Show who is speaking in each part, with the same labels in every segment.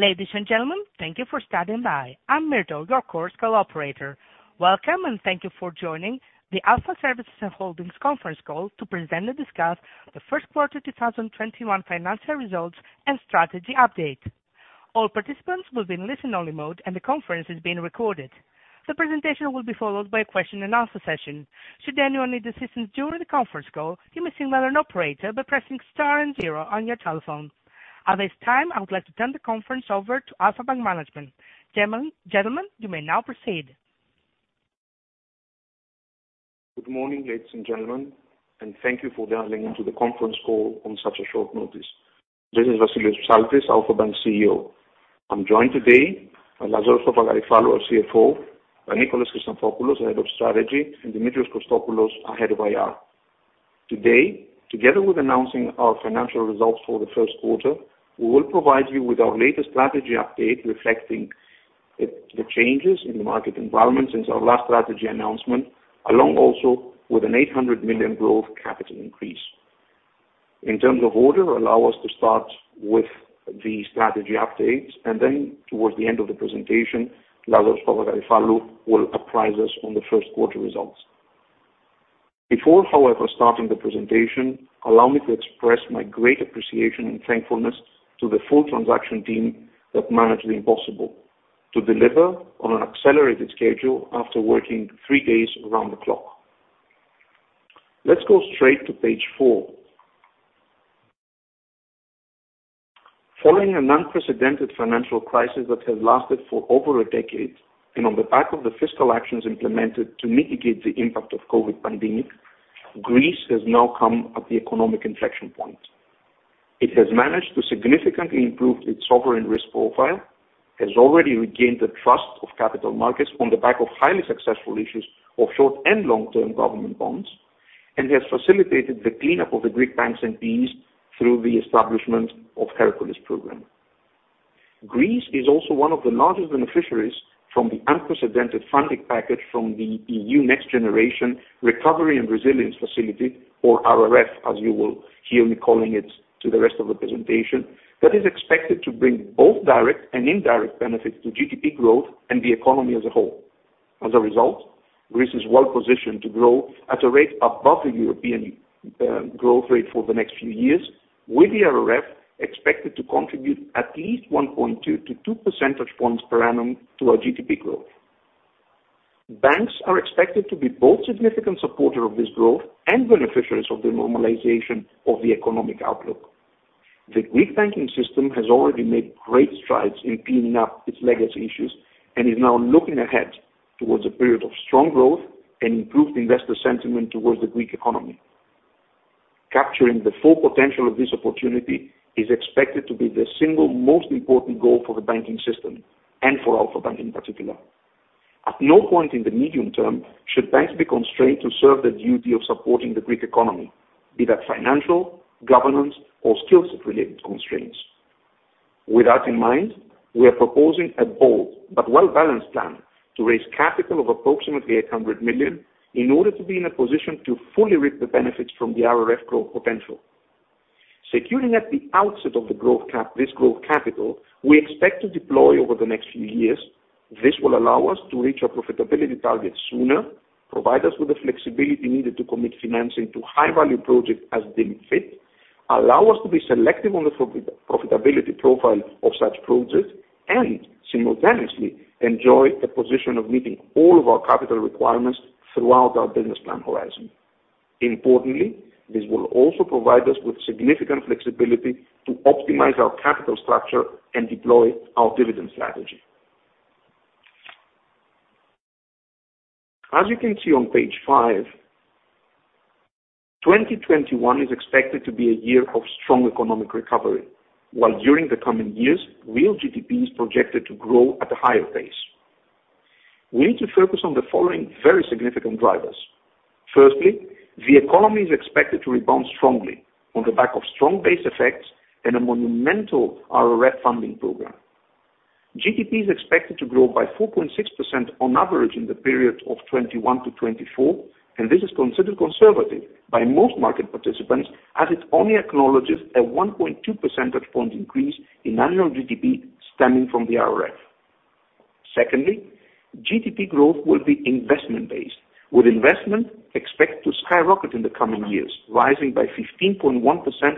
Speaker 1: Ladies and gentlemen, thank you for standing by. I'm your Delta core call operator. Welcome, and thank you for joining the Alpha Services and Holdings conference call to present and discuss the first quarter 2021 financial results and strategy update. All participants will be in listen-only mode, and the conference is being recorded. The presentation will be followed by a question-and-answer session. Should anyone need assistance during the conference call, you may signal an operator by pressing star and zero on your telephone. At this time, I'm glad to turn the conference over to Alpha Bank management. Gentlemen, you may now proceed.
Speaker 2: Good morning, ladies and gentlemen, thank you for dialing into the conference call on such a short notice. This is Vassilios Psaltis, Alpha Bank CEO. I'm joined today by Lazaros Papagaryfallou, our CFO, by Nicholas Chryssanthopoulos, Head of Strategy, and Dimitrios Kostopoulos, our Head of IR. Today, together with announcing our financial results for the first quarter, we will provide you with our latest strategy update reflecting the changes in the market environment since our last strategy announcement, along also with an 800 million growth capital increase. In terms of order, allow us to start with the strategy updates, and then towards the end of the presentation, Lazaros Papagaryfallou will apprise us on the first quarter results. Before, however, starting the presentation, allow me to express my great appreciation and thankfulness to the full transaction team that managed the impossible, to deliver on an accelerated schedule after working three days around the clock. Let's go straight to page four. Following an unprecedented financial crisis that has lasted for over a decade, on the back of the fiscal actions implemented to mitigate the impact of COVID pandemic, Greece has now come at the economic inflection point. It has managed to significantly improve its sovereign risk profile, has already regained the trust of capital markets on the back of highly successful issues of short and long-term government bonds, has facilitated the cleanup of the Greek banks and NPEs through the establishment of Hercules. Greece is also one of the largest beneficiaries from the unprecedented funding package from the NextGenerationEU Recovery and Resilience Facility, or RRF, as you will hear me calling it to the rest of the presentation, that is expected to bring both direct and indirect benefits to GDP growth and the economy as a whole. As a result, Greece is well positioned to grow at a rate above the European growth rate for the next few years, with the RRF expected to contribute at least 1.2 to 2 percentage points per annum to our GDP growth. Banks are expected to be both significant supporter of this growth and beneficiaries of the normalization of the economic outlook. The Greek banking system has already made great strides in cleaning up its legacy issues and is now looking ahead towards a period of strong growth and improved investor sentiment towards the Greek economy. Capturing the full potential of this opportunity is expected to be the single most important goal for the banking system and for Alpha Bank in particular. At no point in the medium term should banks be constrained to serve the duty of supporting the Greek economy, be that financial, governance, or skills-related constraints. With that in mind, we are proposing a bold but well-balanced plan to raise capital of approximately 800 million in order to be in a position to fully reap the benefits from the RRF growth potential. Securing at the outset of this growth capital, we expect to deploy over the next few years. This will allow us to reach our profitability targets sooner, provide us with the flexibility needed to commit financing to high-value projects as deemed fit, allow us to be selective on the profitability profile of such projects, and simultaneously enjoy a position of meeting all of our capital requirements throughout our business plan horizon. Importantly, this will also provide us with significant flexibility to optimize our capital structure and deploy our dividend strategy. As you can see on page five, 2021 is expected to be a year of strong economic recovery, while during the coming years, real GDP is projected to grow at a higher pace. We need to focus on the following very significant drivers. Firstly, the economy is expected to rebound strongly on the back of strong base effects and a monumental RRF funding program. GDP is expected to grow by 4.6% on average in the period of 2021 to 2024, and this is considered conservative by most market participants as it only acknowledges a 1.2 percentage point increase in annual GDP stemming from the RRF. Secondly, GDP growth will be investment-based, with investment expected to skyrocket in the coming years, rising by 15.1%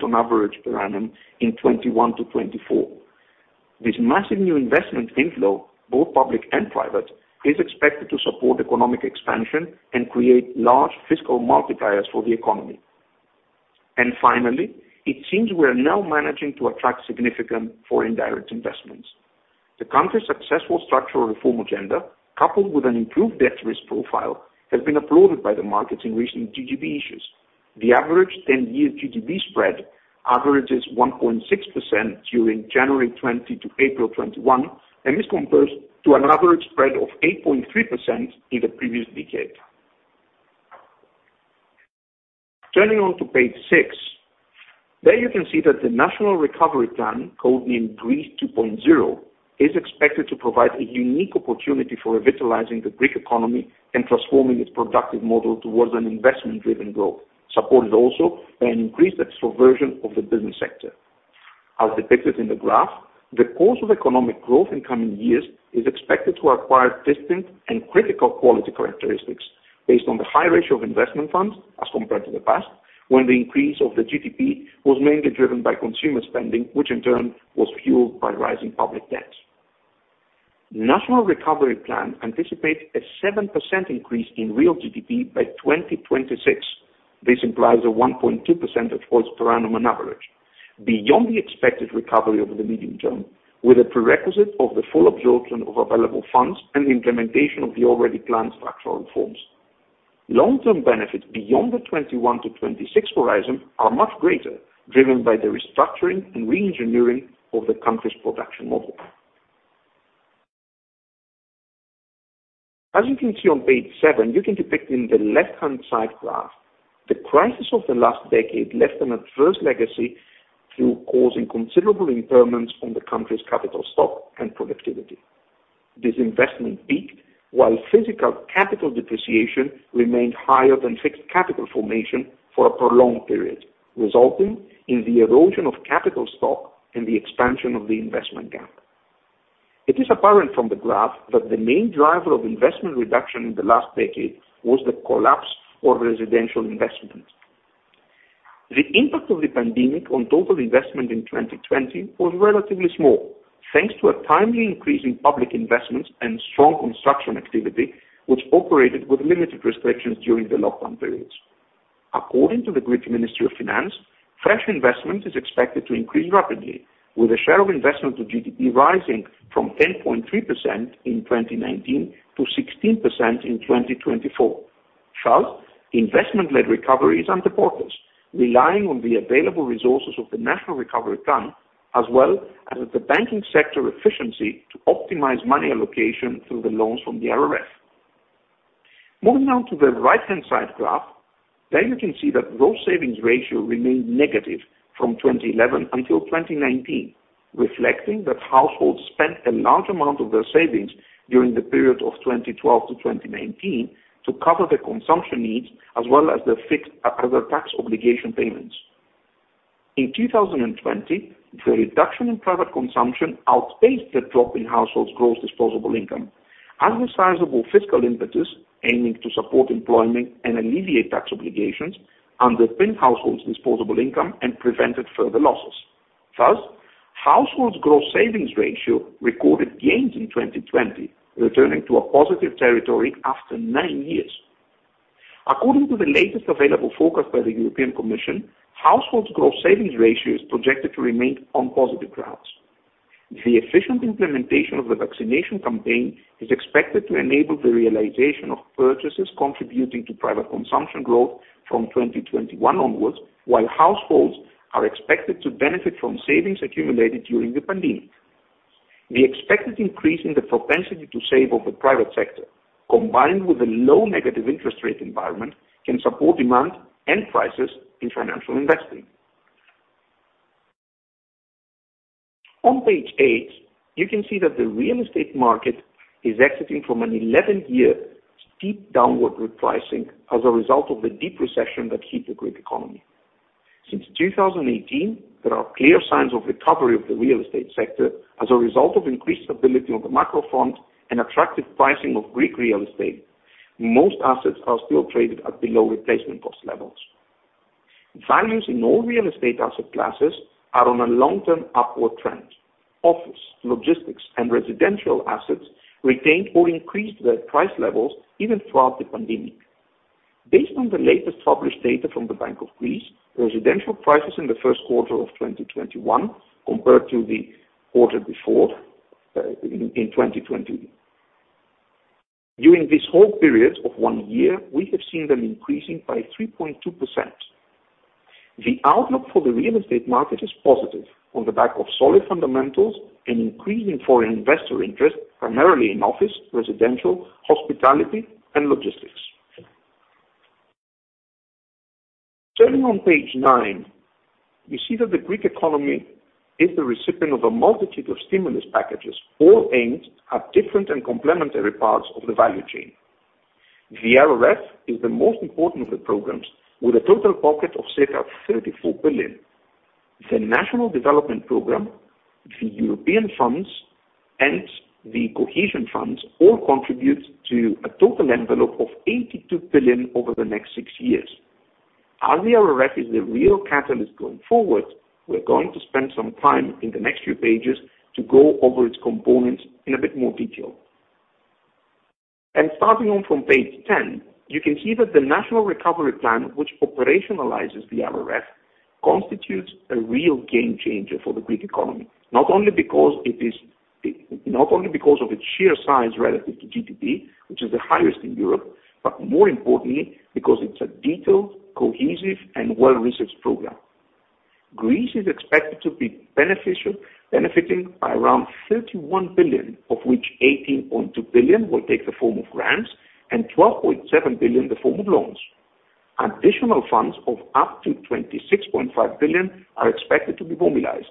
Speaker 2: on average per annum in 2021 to 2024. This massive new investment inflow, both public and private, is expected to support economic expansion and create large fiscal multipliers for the economy. Finally, it seems we are now managing to attract significant foreign direct investments. The country's successful structural reform agenda, coupled with an improved debt risk profile, has been applauded by the market in recent GGB issues. The average 10-year GGB spread averages 1.6% during January 2020 to April 2021, and this compares to an average spread of 8.3% in the previous decade. Turning on to page six. There you can see that the National Recovery Plan, coined in Greece 2.0, is expected to provide a unique opportunity for revitalizing the Greek economy and transforming its productive model towards an investment-driven growth, supported also by increased extroversion of the business sector. As depicted in the graph, the course of economic growth in coming years is expected to acquire distinct and critical quality characteristics based on the high ratio of investment funds as compared to the past, when the increase of the GDP was mainly driven by consumer spending, which in turn was fueled by rising public debts. The National Recovery Plan anticipates a 7% increase in real GDP by 2026. This implies a 1.2% towards per annum on average, beyond the expected recovery over the medium-term, with a prerequisite of the full absorption of available funds and the implementation of the already planned structural reforms. Long-term benefits beyond the 2021 to 2026 horizon are much greater, driven by the restructuring and re-engineering of the country's production model. As you can see on page seven, you can depict in the left-hand side graph the crisis of the last decade left an adverse legacy through causing considerable impairments on the country's capital stock and productivity. This investment peaked while physical capital depreciation remained higher than fixed capital formation for a prolonged period, resulting in the erosion of capital stock and the expansion of the investment gap. It is apparent from the graph that the main driver of investment reduction in the last decade was the collapse of residential investment. The impact of the pandemic on total investment in 2020 was relatively small, thanks to a timely increase in public investment and strong construction activity, which operated with limited restrictions during the lockdown periods. According to the Greek Ministry of Finance, fresh investment is expected to increase rapidly, with the share of investment to GDP rising from 10.3% in 2019 to 16% in 2024. Thus, investment-led recovery is under focus, relying on the available resources of the National Recovery Plan, as well as the banking sector efficiency to optimize money allocation through the loans from the RRF. Moving on to the right-hand side graph, there you can see that gross savings ratio remained negative from 2011 until 2019, reflecting that households spent a large amount of their savings during the period of 2012 to 2019 to cover their consumption needs as well as their fixed other tax obligation payments. In 2020, the reduction in private consumption outpaced the drop in households' gross disposable income, and the sizable fiscal impetus aiming to support employment and alleviate tax obligations underpinned households' disposable income and prevented further losses. Thus, households' gross savings ratio recorded gains in 2020, returning to a positive territory after nine years. According to the latest available forecast by the European Commission, households' gross savings ratio is projected to remain on positive grounds. The efficient implementation of the vaccination campaign is expected to enable the realization of purchases contributing to private consumption growth from 2021 onwards, while households are expected to benefit from savings accumulated during the pandemic. The expected increase in the propensity to save of the private sector, combined with a low negative interest rate environment, can support demand and prices in financial investing. On page eight, you can see that the real estate market is exiting from an 11-year steep downward repricing as a result of the deep recession that hit the Greek economy. Since 2018, there are clear signs of recovery of the real estate sector as a result of increased stability of the macro front and attractive pricing of Greek real estate. Most assets are still traded at below replacement cost levels. Values in all real estate asset classes are on a long-term upward trend. Office, logistics, and residential assets retained or increased their price levels even throughout the pandemic. Based on the latest published data from the Bank of Greece, residential prices in the first quarter of 2021 compared to the quarter before in 2020. During this whole period of one year, we have seen them increasing by 3.2%. The outlook for the real estate market is positive on the back of solid fundamentals and increase in foreign investor interest, primarily in office, residential, hospitality, and logistics. Turning on page nine, we see that the Greek economy is the recipient of a multitude of stimulus packages, all aimed at different and complementary parts of the value chain. The RRF is the most important of the programs, with a total pocket of circa 34 billion. The National Development Program, the European funds, and the cohesion funds all contribute to a total envelope of 82 billion over the next six years. As the RRF is the real catalyst going forward, we're going to spend some time in the next few pages to go over its components in a bit more detail. Starting on from page 10, you can see that the National Recovery Plan, which operationalizes the RRF, constitutes a real game changer for the Greek economy. Not only because of its sheer size relative to GDP, which is the highest in Europe, but more importantly because it's a detailed, cohesive, and well-researched program. Greece is expected to be benefiting by around 31 billion, of which 18.2 billion will take the form of grants and 12.7 billion the form of loans. Additional funds of up to 26.5 billion are expected to be mobilized,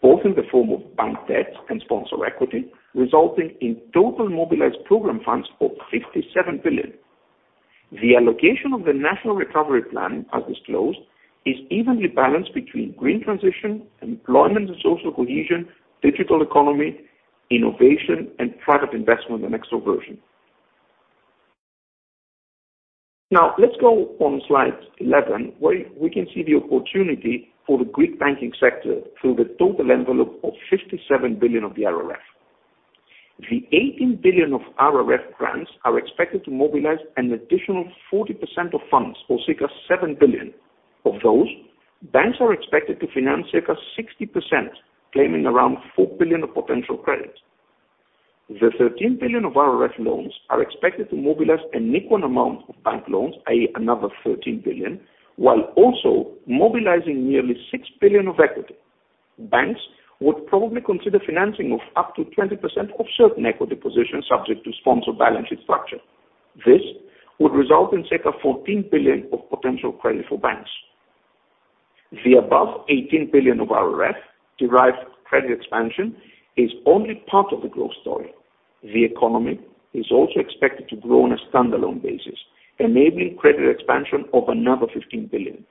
Speaker 2: both in the form of bank debt and sponsor equity, resulting in total mobilized program funds of 67 billion. The allocation of the National Recovery Plan, as disclosed, is evenly balanced between green transition, employment and social cohesion, digital economy, innovation, and private investment and extroversion. Now, let's go on slide 11, where we can see the opportunity for the Greek banking sector through the total envelope of 67 billion of the RRF. The 18 billion of RRF grants are expected to mobilize an additional 40% of funds, or circa 7 billion. Of those, banks are expected to finance circa 60%, claiming around 4 billion of potential credit. The 13 billion of RRF loans are expected to mobilize an equal amount of bank loans, i.e., another 13 billion, while also mobilizing nearly 6 billion of equity. Banks would probably consider financing of up to 20% of certain equity positions subject to sponsor balance sheet structure. This would result in circa 14 billion of potential credit for banks. The above 18 billion of RRF derived credit expansion is only part of the growth story. The economy is also expected to grow on a standalone basis, enabling credit expansion of another 15 billion.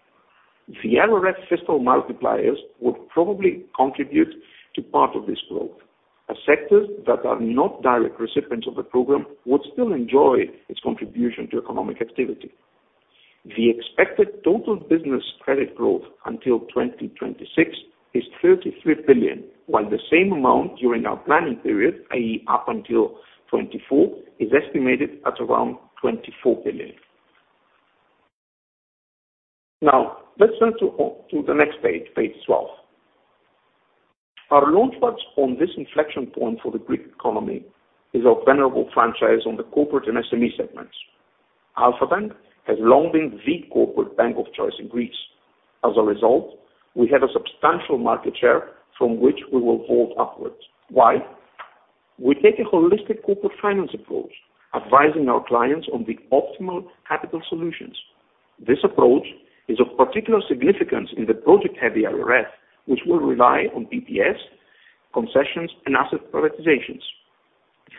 Speaker 2: The RRF fiscal multipliers would probably contribute to part of this growth. Sectors that are not direct recipients of the program would still enjoy its contribution to economic activity. The expected total business credit growth until 2026 is 33 billion, while the same amount during our planning period, i.e., up until 2024, is estimated at around 24 billion. Let's turn to the next page 12. Our launchpad on this inflection point for the Greek economy is our venerable franchise on the corporate and SME segments. Alpha Bank has long been the corporate bank of choice in Greece. As a result, we had a substantial market share from which we will hold upwards. Why? We take a holistic corporate finance approach, advising our clients on the optimal capital solutions. This approach is of particular significance in the project-heavy RRF, which will rely on PPPs, concessions, and asset privatizations.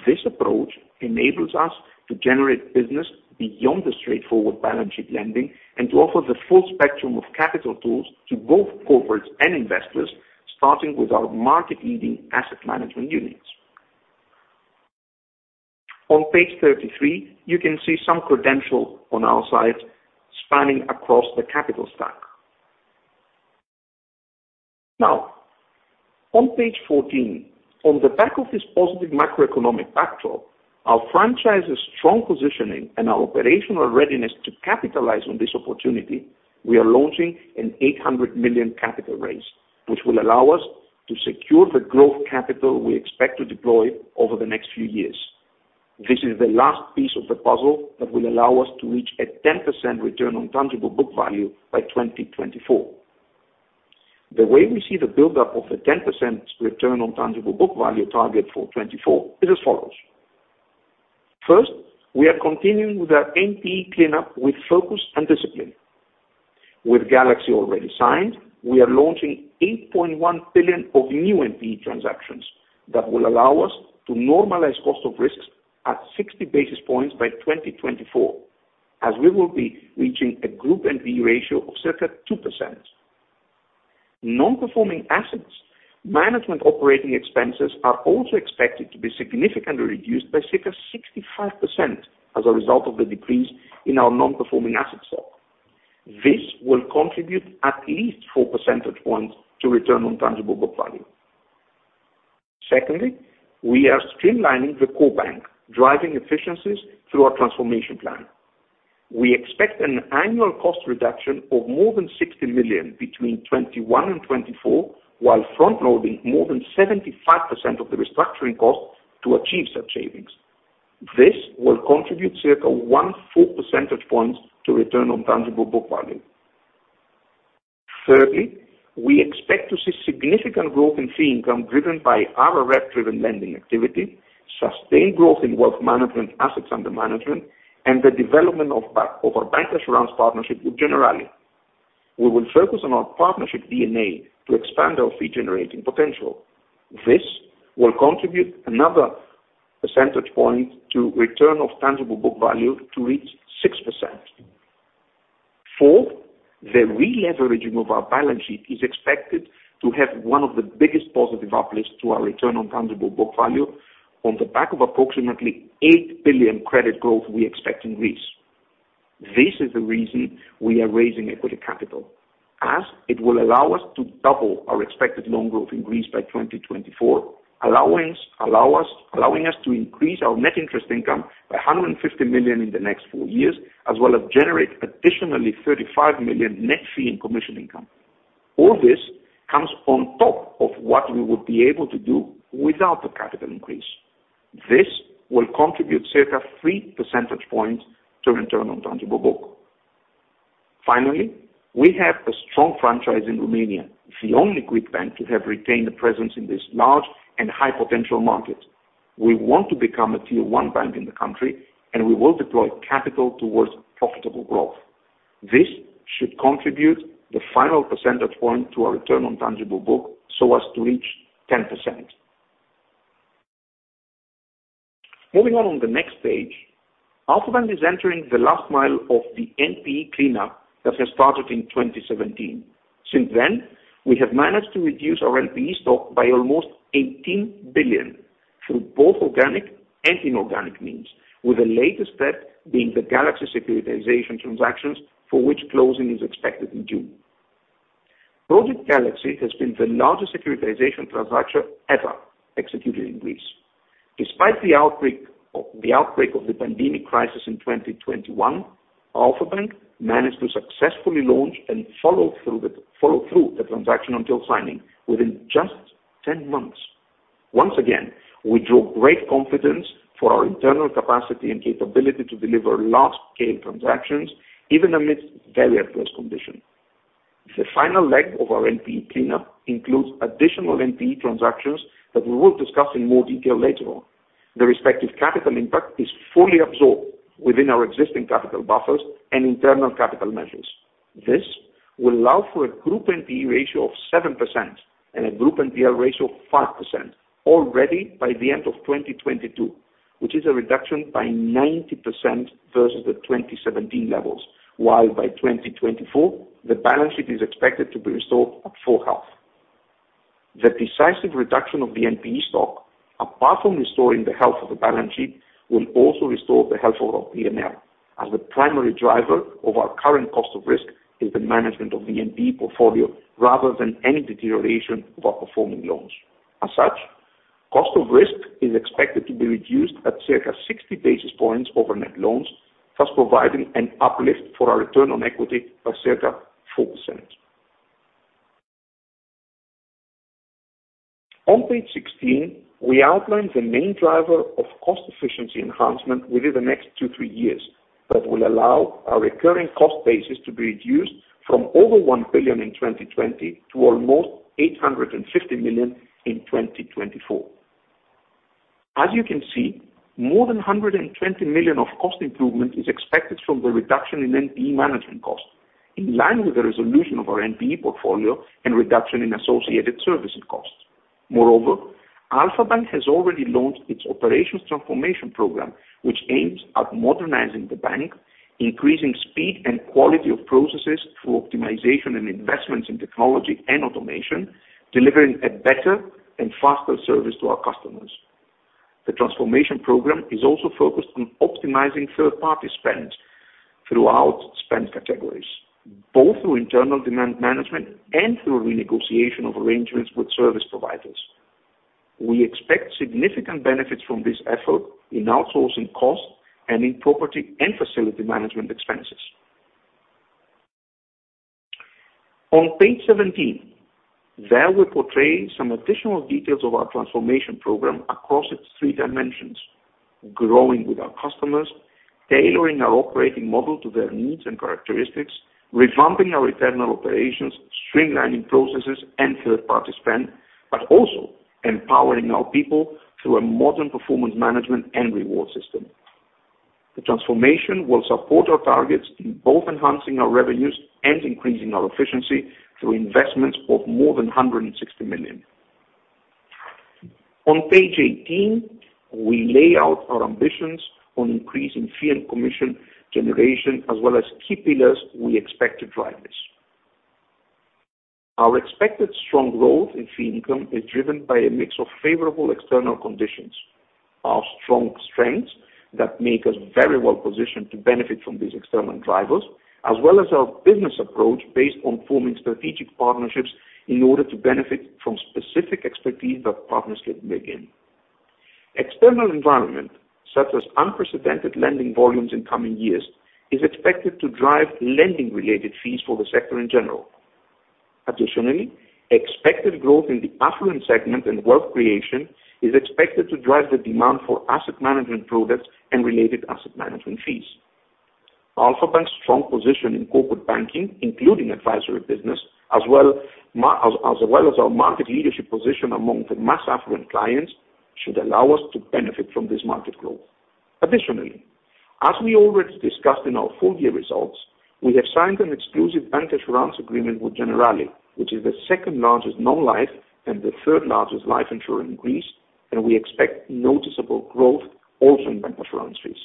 Speaker 2: This approach enables us to generate business beyond the straightforward balance sheet lending and to offer the full spectrum of capital tools to both corporates and investors, starting with our market-leading asset management units. On page [13], you can see some credentials on our side spanning across the capital stack. Now, on page 14, on the back of this positive macroeconomic backdrop, our franchise's strong positioning and our operational readiness to capitalize on this opportunity, we are launching an 800 million capital raise, which will allow us to secure the growth capital we expect to deploy over the next few years. This is the last piece of the puzzle that will allow us to reach a 10% return on tangible book value by 2024. The way we see the buildup of the 10% return on tangible book value target for 2024 is as follows. First, we are continuing with our NPE cleanup with focus and discipline. With Galaxy already signed, we are launching 8.1 billion of new NPE transactions that will allow us to normalize cost of risks at 60 basis points by 2024, as we will be reaching a group NPE ratio of circa 2%. Non-performing assets management operating expenses are also expected to be significantly reduced by circa 65% as a result of the decrease in our non-performing asset stock. This will contribute at least four percentage points to return on tangible book value. Secondly, we are streamlining the core bank, driving efficiencies through our transformation plan. We expect an annual cost reduction of more than 60 million between 2021 and 2024, while front-loading more than 75% of the restructuring cost to achieve such savings. This will contribute circa one full percentage point to return on tangible book value. Thirdly, we expect to see significant growth in fee income driven by RRF-driven lending activity, sustained growth in wealth management assets under management, and the development of our bancassurance partnership with Generali. We will focus on our partnership DNA to expand our fee-generating potential. This will contribute another percentage point to return of tangible book value to reach 6%. Fourth, the releveraging of our balance sheet is expected to have one of the biggest positive uplifts to our return on tangible book value on the back of approximately 8 billion credit growth we expect in Greece. This is the reason we are raising equity capital, as it will allow us to double our expected loan growth in Greece by 2024, allowing us to increase our net interest income by 150 million in the next four years, as well as generate additionally 35 million net fee and commission income. All this comes on top of what we would be able to do without the capital increase. This will contribute circa three percentage points to return on tangible book. Finally, we have a strong franchise in Romania, the only Greek bank to have retained a presence in this large and high-potential market. We want to become a tier 1 bank in the country, and we will deploy capital towards profitable growth. This should contribute the final percentage point to our return on tangible book so as to reach 10%. Moving on the next page, Alpha Bank is entering the last mile of the NPE cleanup that has started in 2017. Since then, we have managed to reduce our NPE stock by almost 18 billion through both organic and inorganic means, with the latest step being the Galaxy securitization transactions for which closing is expected in June. Project Galaxy has been the largest securitization transaction ever executed in Greece. Despite the outbreak of the pandemic crisis in 2021, Alpha Bank managed to successfully launch and follow through the transaction until signing within just 10 months. Once again, we draw great confidence for our internal capacity and capability to deliver large-scale transactions, even amidst very adverse conditions. The final leg of our NPE cleanup includes additional NPE transactions that we will discuss in more detail later on. The respective capital impact is fully absorbed within our existing capital buffers and internal capital measures. This will allow for a group NPE ratio of 7% and a group NPL ratio of 5% already by the end of 2022, which is a reduction by 90% versus the 2017 levels, while by 2024, the balance sheet is expected to be restored to full health. The decisive reduction of the NPE stock, apart from restoring the health of the balance sheet, will also restore the health of our P&L, as the primary driver of our current cost of risk is the management of the NPE portfolio rather than any deterioration of our performing loans. As such, cost of risk is expected to be reduced at circa 60 basis points over net loans, thus providing an uplift for our return on equity of circa 4%. On page 16, we outline the main driver of cost efficiency enhancement within the next two to three years that will allow our recurring cost basis to be reduced from over 1 billion in 2020 to almost 850 million in 2024. As you can see, more than 120 million of cost improvement is expected from the reduction in NPE management cost, in line with the resolution of our NPE portfolio and reduction in associated servicing costs. Moreover, Alpha Bank has already launched its Operations Transformation Program, which aims at modernizing the bank, increasing speed and quality of processes through optimization and investments in technology and automation, delivering a better and faster service to our customers. The Transformation Program is also focused on optimizing third-party spend throughout spend categories, both through internal demand management and through renegotiation of arrangements with service providers. We expect significant benefits from this effort in outsourcing costs and in property and facility management expenses. On page 17, there we portray some additional details of our transformation program across its three dimensions, growing with our customers, tailoring our operating model to their needs and characteristics, revamping our internal operations, streamlining processes and third-party spend. Also empowering our people through a modern performance management and reward system, the transformation will support our targets in both enhancing our revenues and increasing our efficiency through investments of more than 160 million. On page 18, we lay out our ambitions on increasing fee and commission generation, as well as key pillars we expect to drive this. Our expected strong growth in fee income is driven by a mix of favorable external conditions. Our strong strengths that make us very well positioned to benefit from these external drivers, as well as our business approach based on forming strategic partnerships in order to benefit from specific expertise that partners can bring in. External environment, such as unprecedented lending volumes in coming years, is expected to drive lending-related fees for the sector in general. Additionally, expected growth in the affluent segment and wealth creation is expected to drive the demand for asset management products and related asset management fees. Alpha Bank's strong position in corporate banking, including advisory business, as well as our market leadership position among the mass affluent clients, should allow us to benefit from this market growth. Additionally, as we already discussed in our full-year results, we have signed an exclusive bancassurance agreement with Generali, which is the second largest non-life and the third largest life insurer in Greece, and we expect noticeable growth also in bancassurance fees.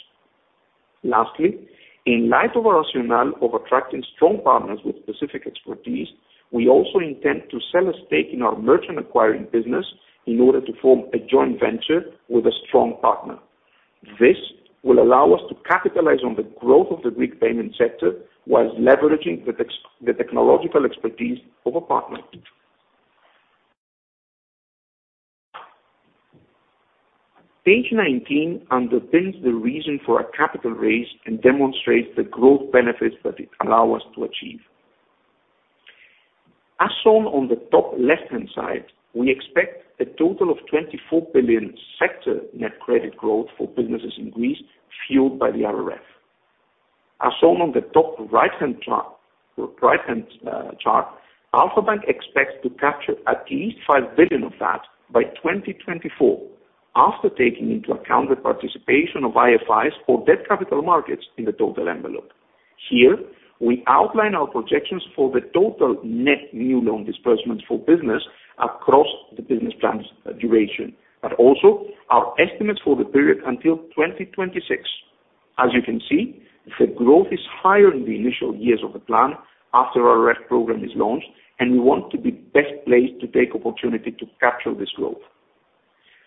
Speaker 2: Lastly, in light of our rationale of attracting strong partners with specific expertise, we also intend to sell a stake in our merchant acquiring business in order to form a joint venture with a strong partner. This will allow us to capitalize on the growth of the Greek payment sector while leveraging the technological expertise of a partner. Page 19 underpins the reason for our capital raise and demonstrates the growth benefits that it allow us to achieve. As shown on the top left-hand side, we expect a total of 24 billion sector net credit growth for businesses in Greece fueled by the RRF. As shown on the top right-hand chart, Alpha Bank expects to capture at least 5 billion of that by 2024, after taking into account the participation of IFIs for debt capital markets in the total envelope. Here, we outline our projections for the total net new loan disbursements for business across the business plan's duration, but also our estimates for the period until 2026. As you can see, the growth is higher in the initial years of the plan after our RRF program is launched, and we want to be best placed to take opportunity to capture this growth.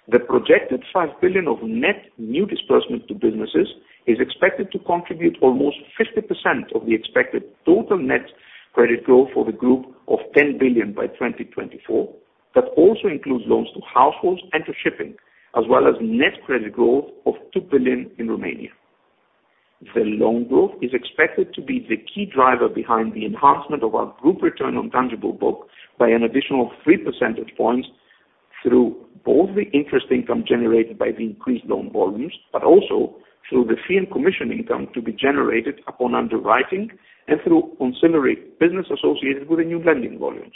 Speaker 2: The projected 5 billion of net new disbursement to businesses is expected to contribute almost 50% of the expected total net credit growth for the group of 10 billion by 2024. That also includes loans to households and to shipping, as well as net credit growth of 2 billion in Romania. The loan growth is expected to be the key driver behind the enhancement of our group return on tangible book by an additional three percentage points through both the interest income generated by the increased loan volumes, but also through the fee and commission income to be generated upon underwriting and through ancillary business associated with the new lending volumes.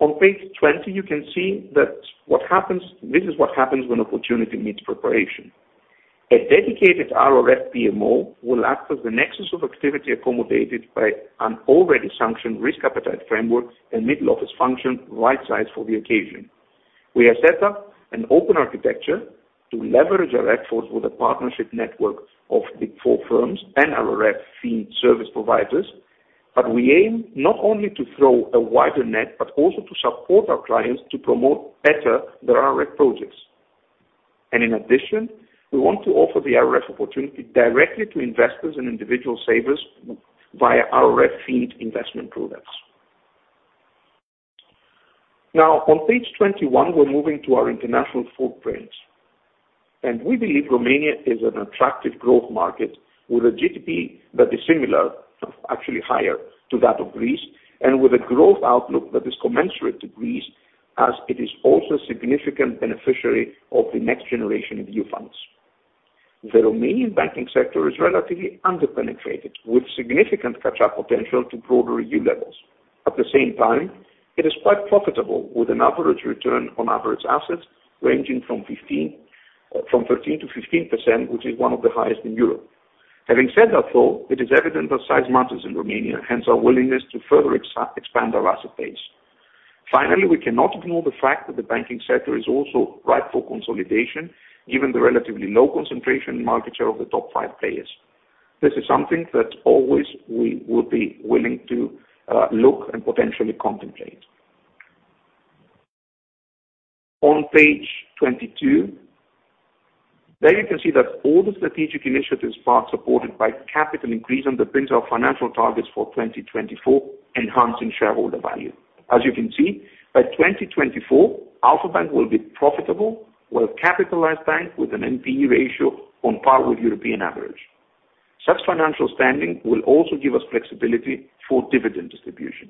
Speaker 2: On page 20, you can see this is what happens when opportunity meets preparation. A dedicated RRF PMO will act as the nexus of activity accommodated by an already sanctioned risk appetite framework and middle office function right-sized for the occasion. We have set up an open architecture to leverage our efforts with a partnership network of Big Four firms and [RRF feed] service providers. We aim not only to throw a wider net, but also to support our clients to promote better the RRF projects. In addition, we want to offer the RRF opportunity directly to investors and individual savers via RRF feed investment products. Now on page 21, we're moving to our international footprint. We believe Romania is an attractive growth market with a GDP that is similar, actually higher, to that of Greece and with a growth outlook that is commensurate to Greece as it is also a significant beneficiary of the NextGenerationEU funds. The Romanian banking sector is relatively under-penetrated, with significant catch-up potential to broader EU levels. At the same time, it is quite profitable, with an average return on average assets ranging from 13%-15%, which is one of the highest in Europe. Having said that, though, it is evident that size matters in Romania, hence our willingness to further expand our asset base. Finally, we cannot ignore the fact that the banking sector is also ripe for consolidation, given the relatively low concentration market share of the top five players. This is something that always we would be willing to look and potentially contemplate. On page 22, there you can see that all the strategic initiatives, supported by capital increase and the base of financial targets for 2024, enhancing shareholder value. As you can see, by 2024, Alpha Bank will be profitable. Well-capitalized bank with an NPE ratio on par with European average. Such financial standing will also give us flexibility for dividend distribution.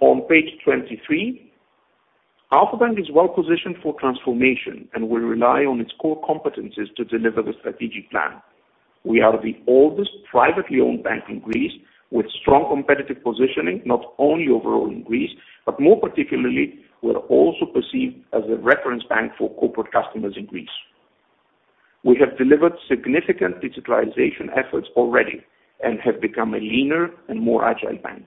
Speaker 2: On page 23, Alpha Bank is well-positioned for transformation and will rely on its core competencies to deliver the strategic plan. We are the oldest privately owned bank in Greece with strong competitive positioning, not only overall in Greece, but more particularly, we are also perceived as a reference bank for corporate customers in Greece. We have delivered significant digitalization efforts already and have become a leaner and more agile bank.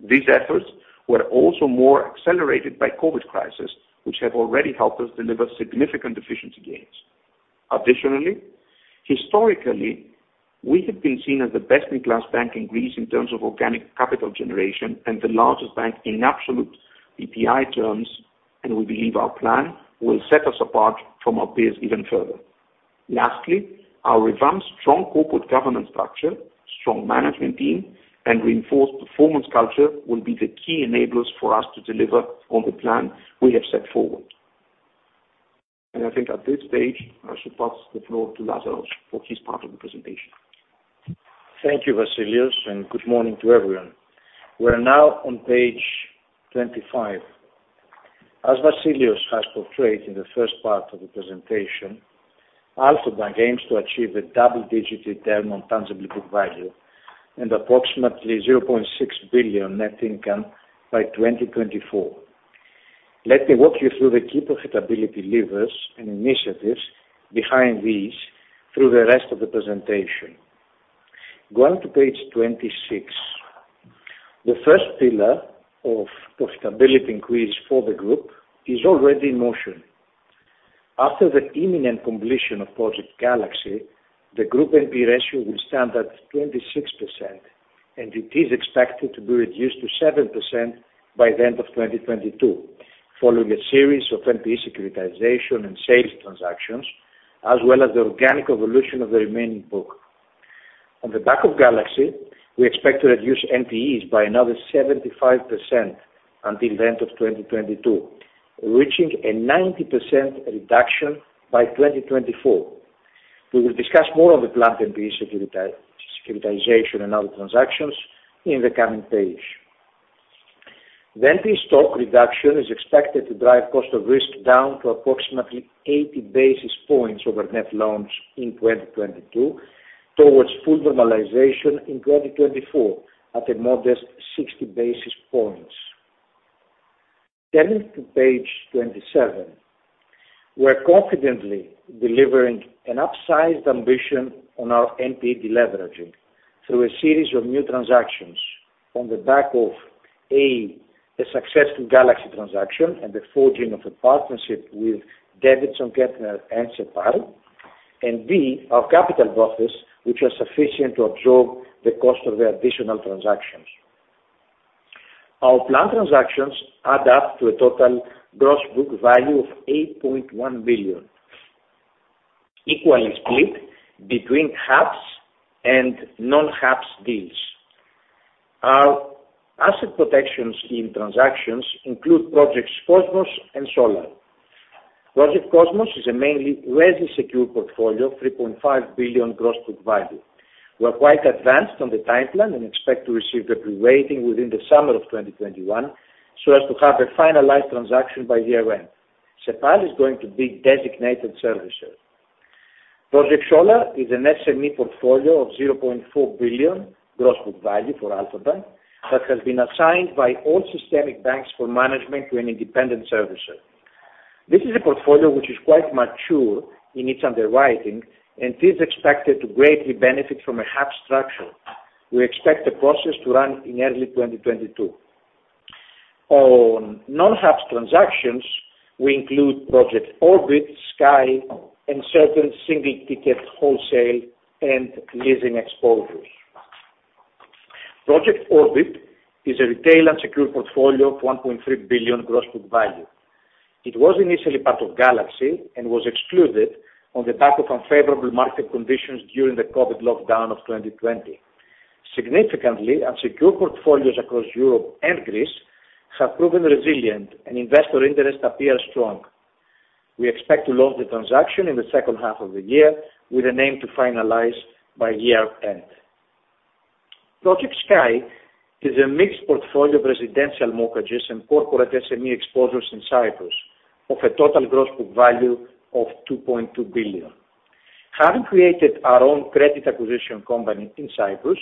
Speaker 2: These efforts were also more accelerated by COVID crisis, which have already helped us deliver significant efficiency gains. Additionally, historically, we have been seen as the best-in-class bank in Greece in terms of organic capital generation and the largest bank in absolute NII terms. We believe our plan will set us apart from our peers even further. Lastly, our advanced strong corporate governance structure, strong management team, and reinforced performance culture will be the key enablers for us to deliver on the plan we have set forward. I think at this stage, I shall pass the floor to Lazaros for his part of the presentation.
Speaker 3: Thank you, Vassilios, and good morning to everyone. We are now on page 25. As Vassilios has portrayed in the first part of the presentation, Alpha Bank aims to achieve a double-digit return on [tangibility value] and approximately 0.6 billion net income by 2024. Let me walk you through the key profitability levers and initiatives behind these through the rest of the presentation. Going to page 26. The first pillar of profitability increase for the group is already in motion. After the imminent completion of Project Galaxy, the group NPE ratio will stand at 26%, and it is expected to be reduced to 7% by the end of 2022, following a series of NPE securitization and sales transactions, as well as the organic evolution of the remaining book. On the back of Galaxy, we expect to reduce NPEs by another 75% until the end of 2022, reaching a 90% reduction by 2024. We will discuss more of the planned NPE securitization and other transactions in the coming page. The NPE stock reduction is expected to drive cost of risk down to approximately 80 basis points over net loans in 2022 towards full normalization in 2024 at a modest 60 basis points. Turning to page 27, we're confidently delivering an upsized ambition on our NPE deleveraging through a series of new transactions on the back of, A, the successful Galaxy transaction and the forging of a partnership with Davidson Kempner and Cepal, and B, our capital buffers, which are sufficient to absorb the cost of the additional transactions. Our planned transactions add up to a total gross book value of 8.1 billion, equally split between HAPS and non-HAPS deals. Our asset protection scheme transactions include Project Cosmos and Project Solar. Project Cosmos is a mainly heavily secured portfolio, 3.5 billion gross book value. We're quite advanced on the timeline and expect to receive the pre-rating within the summer of 2021, so as to have a finalized transaction by year-end. Cepal is going to be designated servicer. Project Solar is an SME portfolio of 0.4 billion gross book value for Alpha Bank that has been assigned by all systemic banks for management to an independent servicer. This is a portfolio which is quite mature in its underwriting and is expected to greatly benefit from a HAPS structure. We expect the process to run in early 2022. On non-HAPS transactions, we include Project Orbit, Project Sky, and certain single ticket wholesale and leasing exposures. Project Orbit is a retail unsecured portfolio of 1.3 billion gross book value. It was initially part of Galaxy and was excluded on the back of unfavorable market conditions during the COVID lockdown of 2020. Significantly, unsecured portfolios across Europe and Greece have proven resilient and investor interest appears strong. We expect to launch the transaction in the second half of the year with an aim to finalize by year-end. Project Sky is a mixed portfolio of residential mortgages and corporate SME exposures in Cyprus of a total gross book value of 2.2 billion. Having created our own credit acquisition company in Cyprus,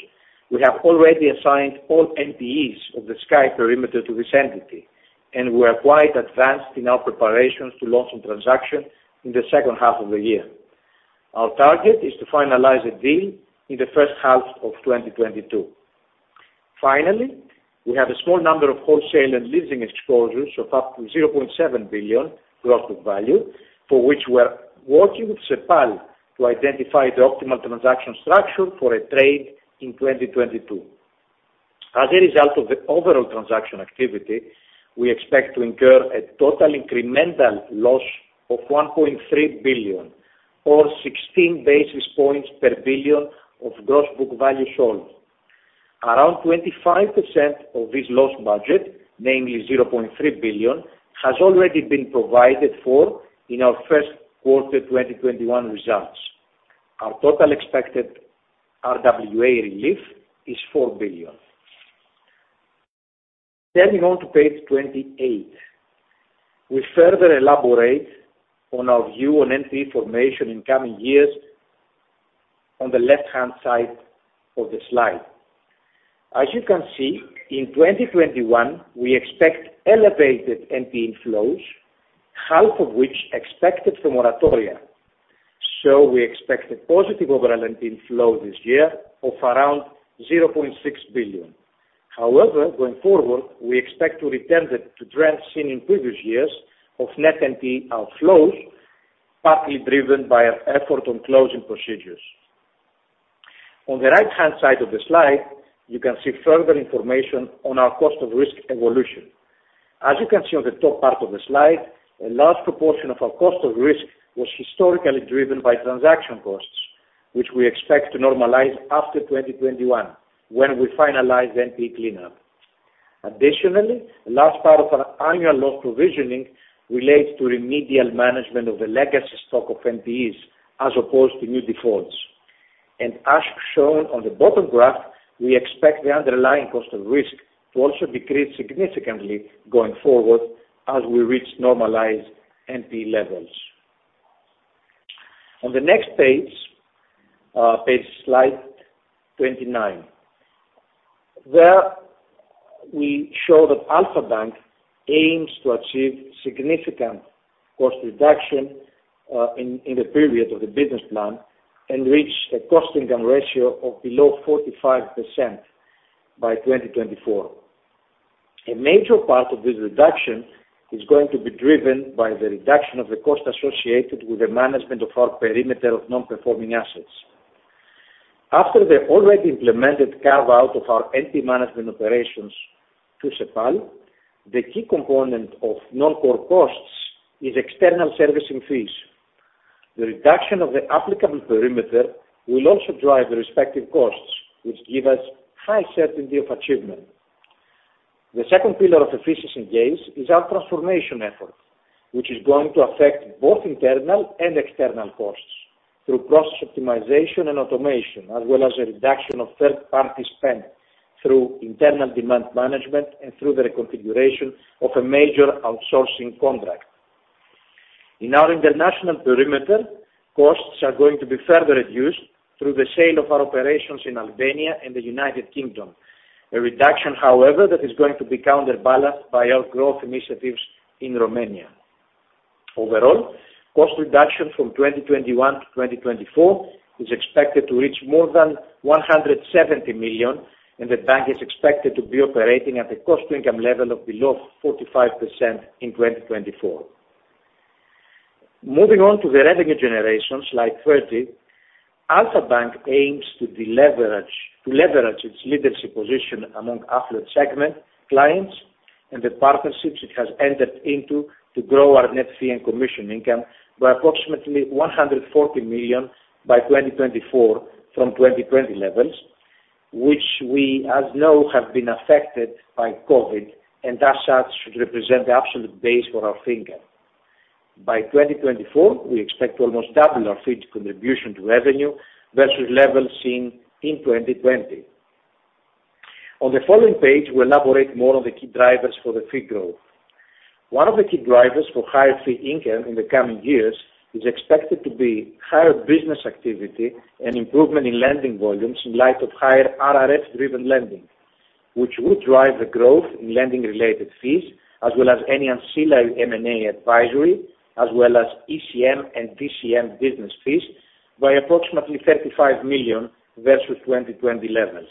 Speaker 3: we have already assigned all NPEs of the Sky perimeter to this entity, and we are quite advanced in our preparations to launch the transaction in the second half of the year. Our target is to finalize the deal in the first half of 2022. Finally, we have a small number of wholesale and leasing exposures of up to 0.7 billion gross book value, for which we're working with Cepal to identify the optimal transaction structure for a trade in 2022. As a result of the overall transaction activity, we expect to incur a total incremental loss of 1.3 billion or 16 basis points per billion of gross book value sold. Around 25% of this loss budget, namely 0.3 billion, has already been provided for in our first quarter 2021 results. Our total expected RWA relief is 4 billion. Turning on to page 28, we further elaborate on our view on NPE formation in coming years on the left-hand side of the slide. As you can see, in 2021, we expect elevated NPE inflows, half of which expected from moratoria. We expect a positive overall NPE inflow this year of around 0.6 billion. However, going forward, we expect to return to the trend seen in previous years of net NPE outflows, partly driven by our effort on closing procedures. On the right-hand side of the slide, you can see further information on our cost of risk evolution. As you can see on the top part of the slide, a large proportion of our cost of risk was historically driven by transaction costs, which we expect to normalize after 2021, when we finalize NPE cleanup. A large part of our annual loss provisioning relates to remedial management of a legacy stock of NPEs as opposed to new defaults. As shown on the bottom graph, we expect the underlying cost of risk to also decrease significantly going forward as we reach normalized NPE levels. On the next page, slide 29, there we show that Alpha Bank aims to achieve significant cost reduction in the period of the business plan and reach a cost-income ratio of below 45% by 2024. A major part of this reduction is going to be driven by the reduction of the cost associated with the management of our perimeter of non-performing assets. After the already implemented carve-out of our NPE management operations to Cepal, the key component of non-core costs is external servicing fees. The reduction of the applicable perimeter will also drive the respective costs, which give us high certainty of achievement. The second pillar of efficiency gains is our transformation effort, which is going to affect both internal and external costs through cost optimization and automation, as well as a reduction of third-party spend through internal demand management and through the reconfiguration of a major outsourcing contract. In our international perimeter, costs are going to be further reduced through the sale of our operations in Albania and the United Kingdom. A reduction, however, that is going to be counterbalanced by our growth initiatives in Romania. Overall, cost reduction from 2021 to 2024 is expected to reach more than 170 million, and the bank is expected to be operating at a cost-to-income level of below 45% in 2024. Moving on to the revenue generation slide 30, Alpha Bank aims to leverage its leadership position among affluent segment clients and the partnerships it has entered into to grow our net fee and commission income by approximately 140 million by 2024 from 2020 levels, which we know have been affected by COVID, and as such should represent the absolute base for our fee income. By 2024, we expect to almost double our fees contribution to revenue versus levels seen in 2020. On the following page, we elaborate more on the key drivers for the fee growth. One of the key drivers for higher fee income in the coming years is expected to be higher business activity and improvement in lending volumes in light of higher RRF-driven lending, which would drive the growth in lending-related fees, as well as any ancillary M&A advisory, as well as ECM and DCM business fees by approximately 35 million versus 2020 levels.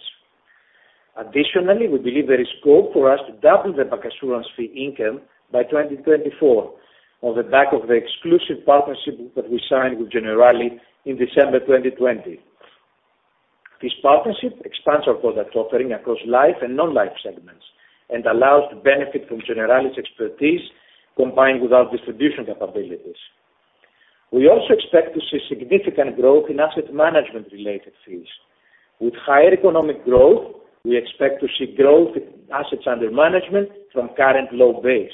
Speaker 3: We believe there is scope for us to double the bancassurance fee income by 2024 on the back of the exclusive partnership that we signed with Generali in December 2020. This partnership expands our product offering across life and non-life segments and allows to benefit from Generali's expertise combined with our distribution capabilities. We also expect to see significant growth in asset management-related fees. With higher economic growth, we expect to see growth in assets under management from current low base.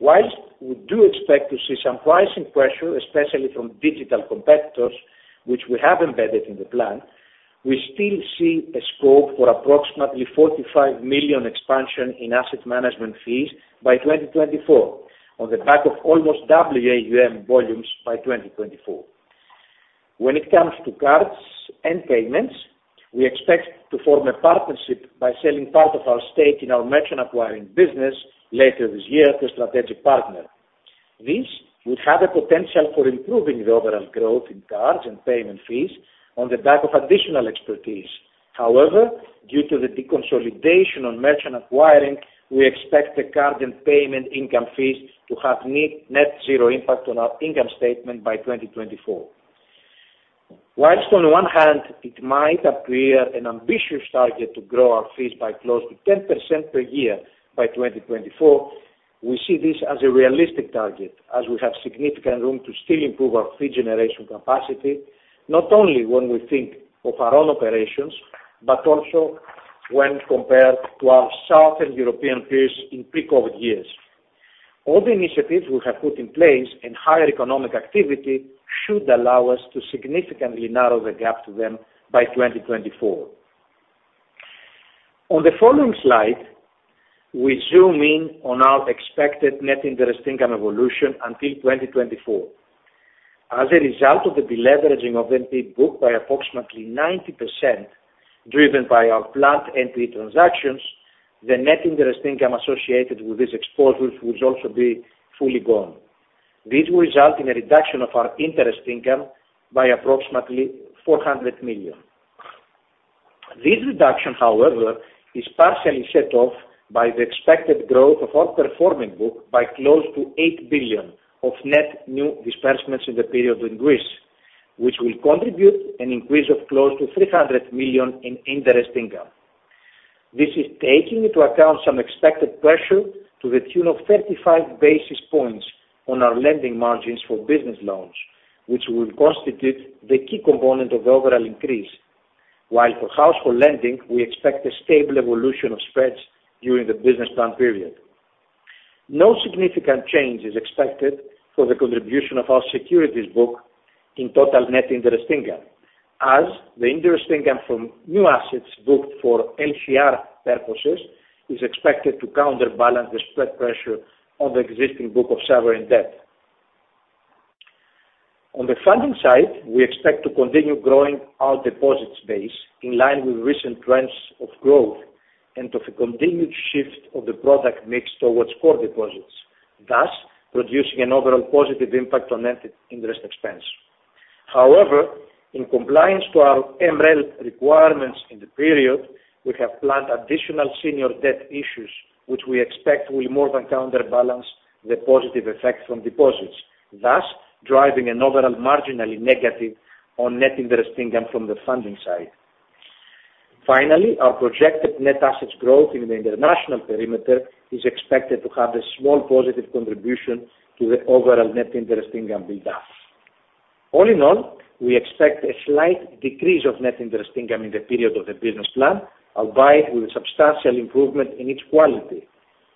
Speaker 3: Whilst we do expect to see some pricing pressure, especially from digital competitors, which we have embedded in the plan, we still see a scope for approximately 45 million expansion in asset management fees by 2024 on the back of almost double AUM volumes by 2024. When it comes to cards and payments, we expect to form a partnership by selling part of our stake in our merchant acquiring business later this year to a strategic partner. This would have a potential for improving the overall growth in cards and payment fees on the back of additional expertise. Due to the deconsolidation on merchant acquiring, we expect the card and payment income fees to have net zero impact on our income statement by 2024. On one hand, it might appear an ambitious target to grow our fees by close to 10% per year by 2024, we see this as a realistic target as we have significant room to still improve our fee generation capacity, not only when we think of our own operations, but also when compared to our southern European peers in pre-COVID years. All the initiatives we have put in place and higher economic activity should allow us to significantly narrow the gap to them by 2024. On the following slide, we zoom in on our expected Net Interest Income evolution until 2024. As a result of the deleveraging of NPE book by approximately 90%, driven by our planned NPE transactions, the net interest income associated with these exposures would also be fully gone. This will result in a reduction of our interest income by approximately 400 million. This reduction, however, is partially set off by the expected growth of our performing book by close to 8 billion of net new disbursements in the period in Greece, which will contribute an increase of close to 300 million in interest income. This is taking into account some expected pressure to the tune of 35 basis points on our lending margins for business loans, which will constitute the key component of the overall increase. While for household lending, we expect a stable evolution of spreads during the business plan period. No significant change is expected for the contribution of our securities book in total net interest income, as the interest income from new assets booked for LCR purposes is expected to counterbalance the spread pressure on the existing book of sovereign debt. On the funding side, we expect to continue growing our deposits base in line with recent trends of growth and of a continued shift of the product mix towards core deposits, thus producing an overall positive impact on net interest expense. In compliance to our MREL requirements in the period, we have planned additional senior debt issues, which we expect will more than counterbalance the positive effect from deposits, thus driving an overall marginally negative on net interest income from the funding side. Finally, our projected net assets growth in the international perimeter is expected to have a small positive contribution to the overall net interest income delta. All in all, we expect a slight decrease of net interest income in the period of the business plan, albeit with a substantial improvement in its quality.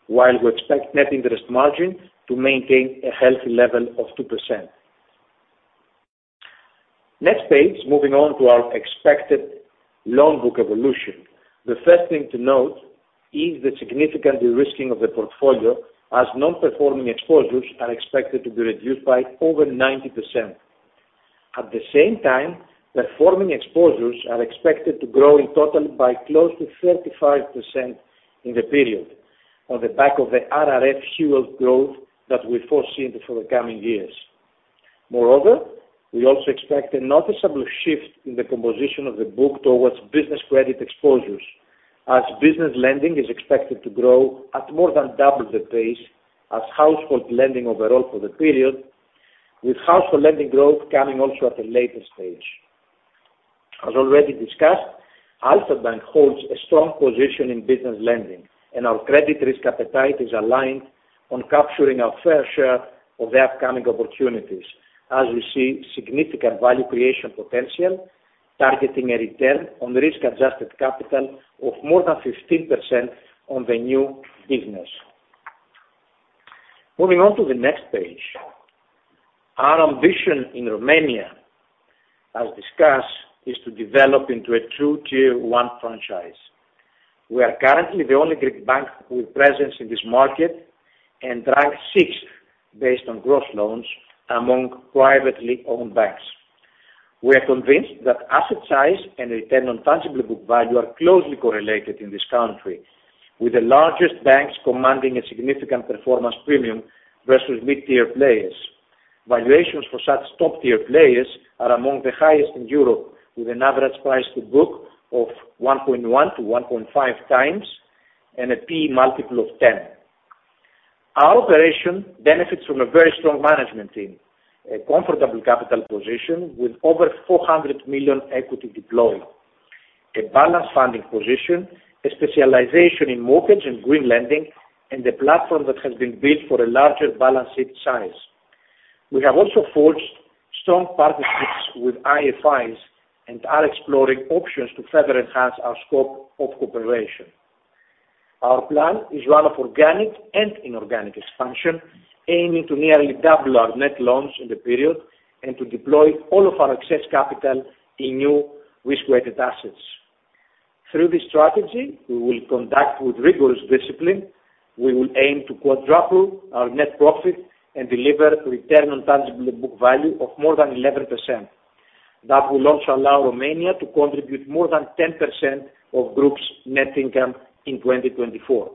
Speaker 3: While we expect net interest margin to maintain a healthy level of 2%. Next page, moving on to our expected loan book evolution. The first thing to note is the significant de-risking of the portfolio, as non-performing exposures are expected to be reduced by over 90%. At the same time, performing exposures are expected to grow in total by close to 35% in the period, on the back of the RRF fueled growth that we foresee for the coming years. We also expect a noticeable shift in the composition of the book towards business credit exposures, as business lending is expected to grow at more than double the pace of household lending overall for the period, with household lending growth coming also at a later stage. As already discussed, Alpha Bank holds a strong position in business lending, and our credit risk appetite is aligned on capturing our fair share of the upcoming opportunities as we see significant value creation potential, targeting a return on risk-adjusted capital of more than 15% on the new business.
Speaker 2: Moving on to the next page. Our ambition in Romania, as discussed, is to develop into a true Tier 1 franchise. We are currently the only Greek bank with presence in this market and rank 6th based on gross loans among privately owned banks. We are convinced that asset size and return on tangible book value are closely correlated in this country, with the largest banks commanding a significant performance premium versus mid-tier players. Valuations for such top-tier players are among the highest in Europe, with an average price to book of 1.1-1.5x and a P/E multiple of 10. Our operation benefits from a very strong management team, a comfortable capital position with over 400 million equity deployed, a balanced funding position, a specialization in mortgage and green lending, and a platform that has been built for a larger balance sheet size. We have also forged strong partnerships with IFIs and are exploring options to further enhance our scope of cooperation. Our plan is one of organic and inorganic expansion, aiming to nearly double our net loans in the period and to deploy all of our excess capital in new risk-weighted assets. Through this strategy, we will conduct with rigorous discipline, we will aim to quadruple our net profit and deliver return on tangible book value of more than 11%. That will also allow Romania to contribute more than 10% of group's net income in 2024.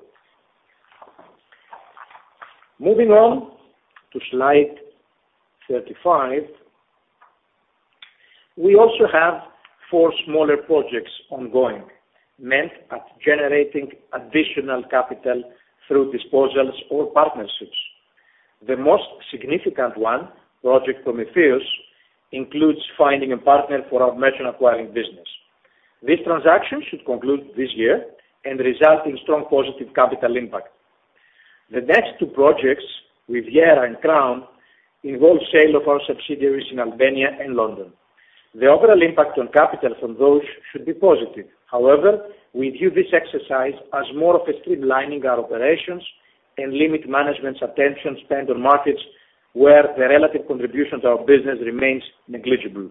Speaker 2: Moving on to slide 35. We also have four smaller projects ongoing, meant at generating additional capital through disposals or partnerships. The most significant one, Project Prometheus, includes finding a partner for our merchant acquiring business. This transaction should conclude this year and result in strong positive capital impact. The next two projects with Riviera and Crown involve sale of our subsidiaries in Albania and London.
Speaker 3: The overall impact on capital from those should be positive. However, we view this exercise as more of a streamlining our operations and limit management's attention spent on markets where the relative contribution to our business remains negligible.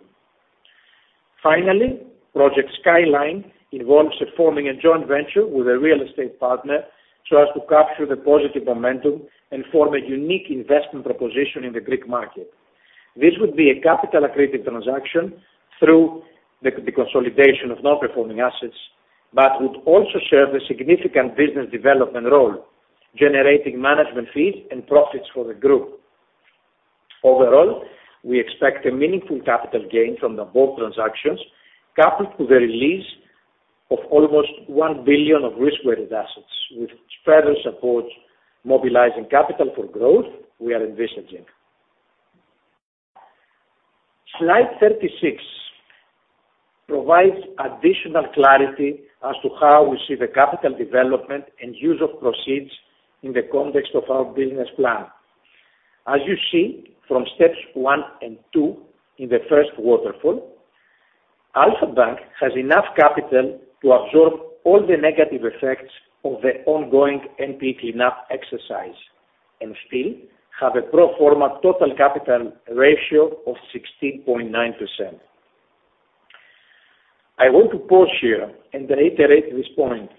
Speaker 3: Finally, Project Skyline involves forming a joint venture with a real estate partner, so as to capture the positive momentum and form a unique investment proposition in the Greek market. This would be a capital accretive transaction through the consolidation of non-performing assets, but would also serve a significant business development role, generating management fees and profits for the group. Overall, we expect a meaningful capital gain from the above transactions, coupled with the release of almost 1 billion of risk-weighted assets, which further supports mobilizing capital for growth we are envisaging.
Speaker 2: Slide 36 provides additional clarity as to how we see the capital development and use of proceeds in the context of our business plan. As you see from steps 1 and 2 in the first waterfall, Alpha Bank has enough capital to absorb all the negative effects of the ongoing NPE cleanup exercise and still have a pro forma total capital ratio of 16.9%. I want to pause here and reiterate this point.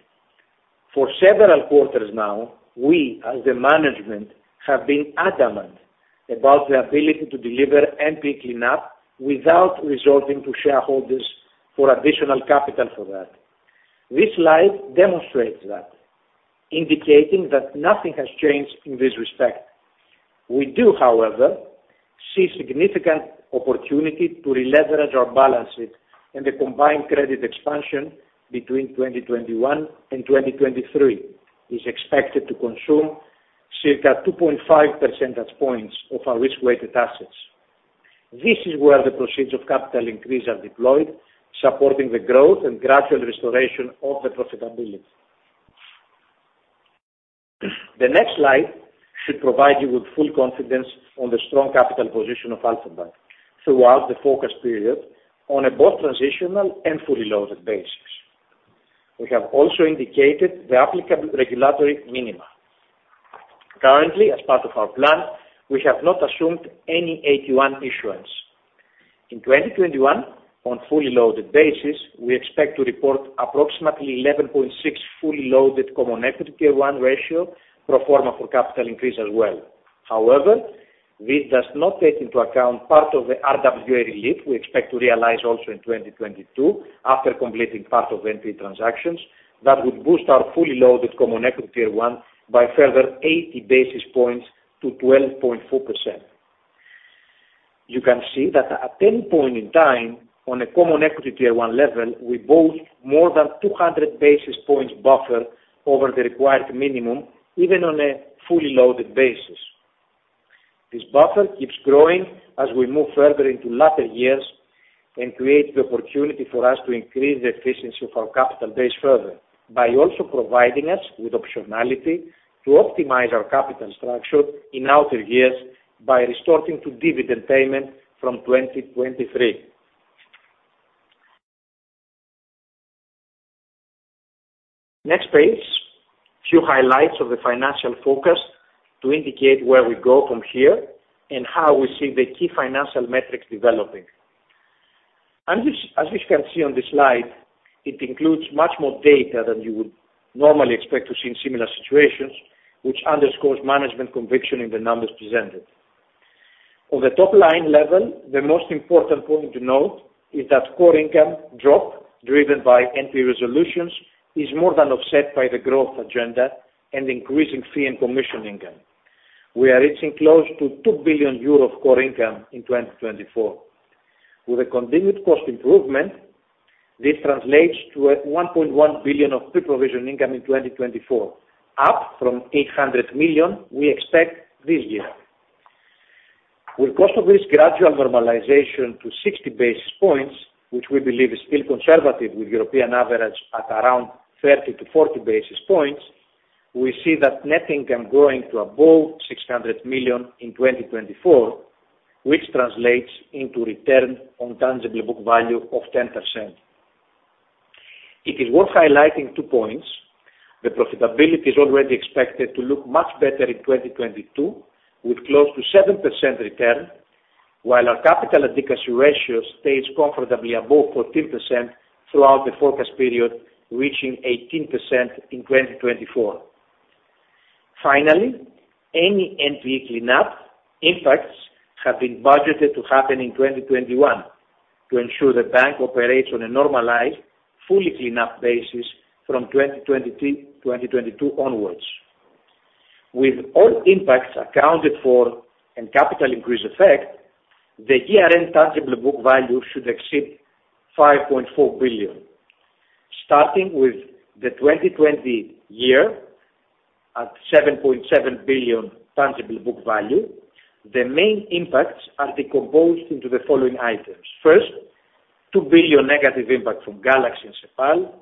Speaker 2: For several quarters now, we, as the management, have been adamant about the ability to deliver NPE cleanup without resorting to shareholders for additional capital for that. This slide demonstrates that, indicating that nothing has changed in this respect. We do, however, see significant opportunity to releverage our balance sheet, and the combined credit expansion between 2021 and 2023 is expected to consume circa 2.5 percentage points of our risk-weighted assets. This is where the proceeds of capital increase are deployed, supporting the growth and gradual restoration of the profitability. The next slide should provide you with full confidence on the strong capital position of Alpha Bank throughout the forecast period on a both transitional and fully loaded basis. We have also indicated the applicable regulatory minima. Currently, as part of our plan, we have not assumed any AT1 issuance. In 2021, on fully loaded basis, we expect to report approximately 11.6 fully loaded Common Equity Tier 1 ratio pro forma for capital increase as well. However, this does not take into account part of the RWA relief we expect to realize also in 2022 after completing part of NPE transactions that would boost our fully loaded Common Equity Tier 1 by further 80 basis points to 12.4%. You can see that at any point in time on a Common Equity Tier 1 level, we boast more than 200 basis points buffer over the required minimum, even on a fully loaded basis. This buffer keeps growing as we move further into latter years and create the opportunity for us to increase the efficiency of our capital base further by also providing us with optionality to optimize our capital structure in outer years by resorting to dividend payment from 2023. Next page, a few highlights of the financial forecast to indicate where we go from here and how we see the key financial metrics developing. As you can see on this slide, it includes much more data than you would normally expect to see in similar situations, which underscores management conviction in the numbers presented. On the top-line level, the most important point to note is that core income drop driven by NPE resolutions is more than offset by the growth agenda and increasing fee and commission income. We are reaching close to 2 billion euros of core income in 2024. With a continued cost improvement, this translates to at 1.1 billion of pre-provision income in 2024, up from 800 million we expect this year. With cost of risk gradual normalization to 60 basis points, which we believe is still conservative, with European average at around 30-40 basis points, we see that net income growing to above 600 million in 2024, which translates into return on tangible book value of 10%. It is worth highlighting two points. The profitability is already expected to look much better in 2022, with close to 7% return, while our capital adequacy ratio stays comfortably above 14% throughout the forecast period, reaching 18% in 2024. Finally, any NPE cleanup impacts have been budgeted to happen in 2021 to ensure the bank operates on a normalized, fully cleaned-up basis from 2022 onwards. With all impacts accounted for and capital increase effect, the year-end tangible book value should exceed 5.4 billion. Starting with the 2020 year at 7.7 billion tangible book value, the main impacts are decomposed into the following items. First, 2 billion negative impact from Galaxy and Cepal.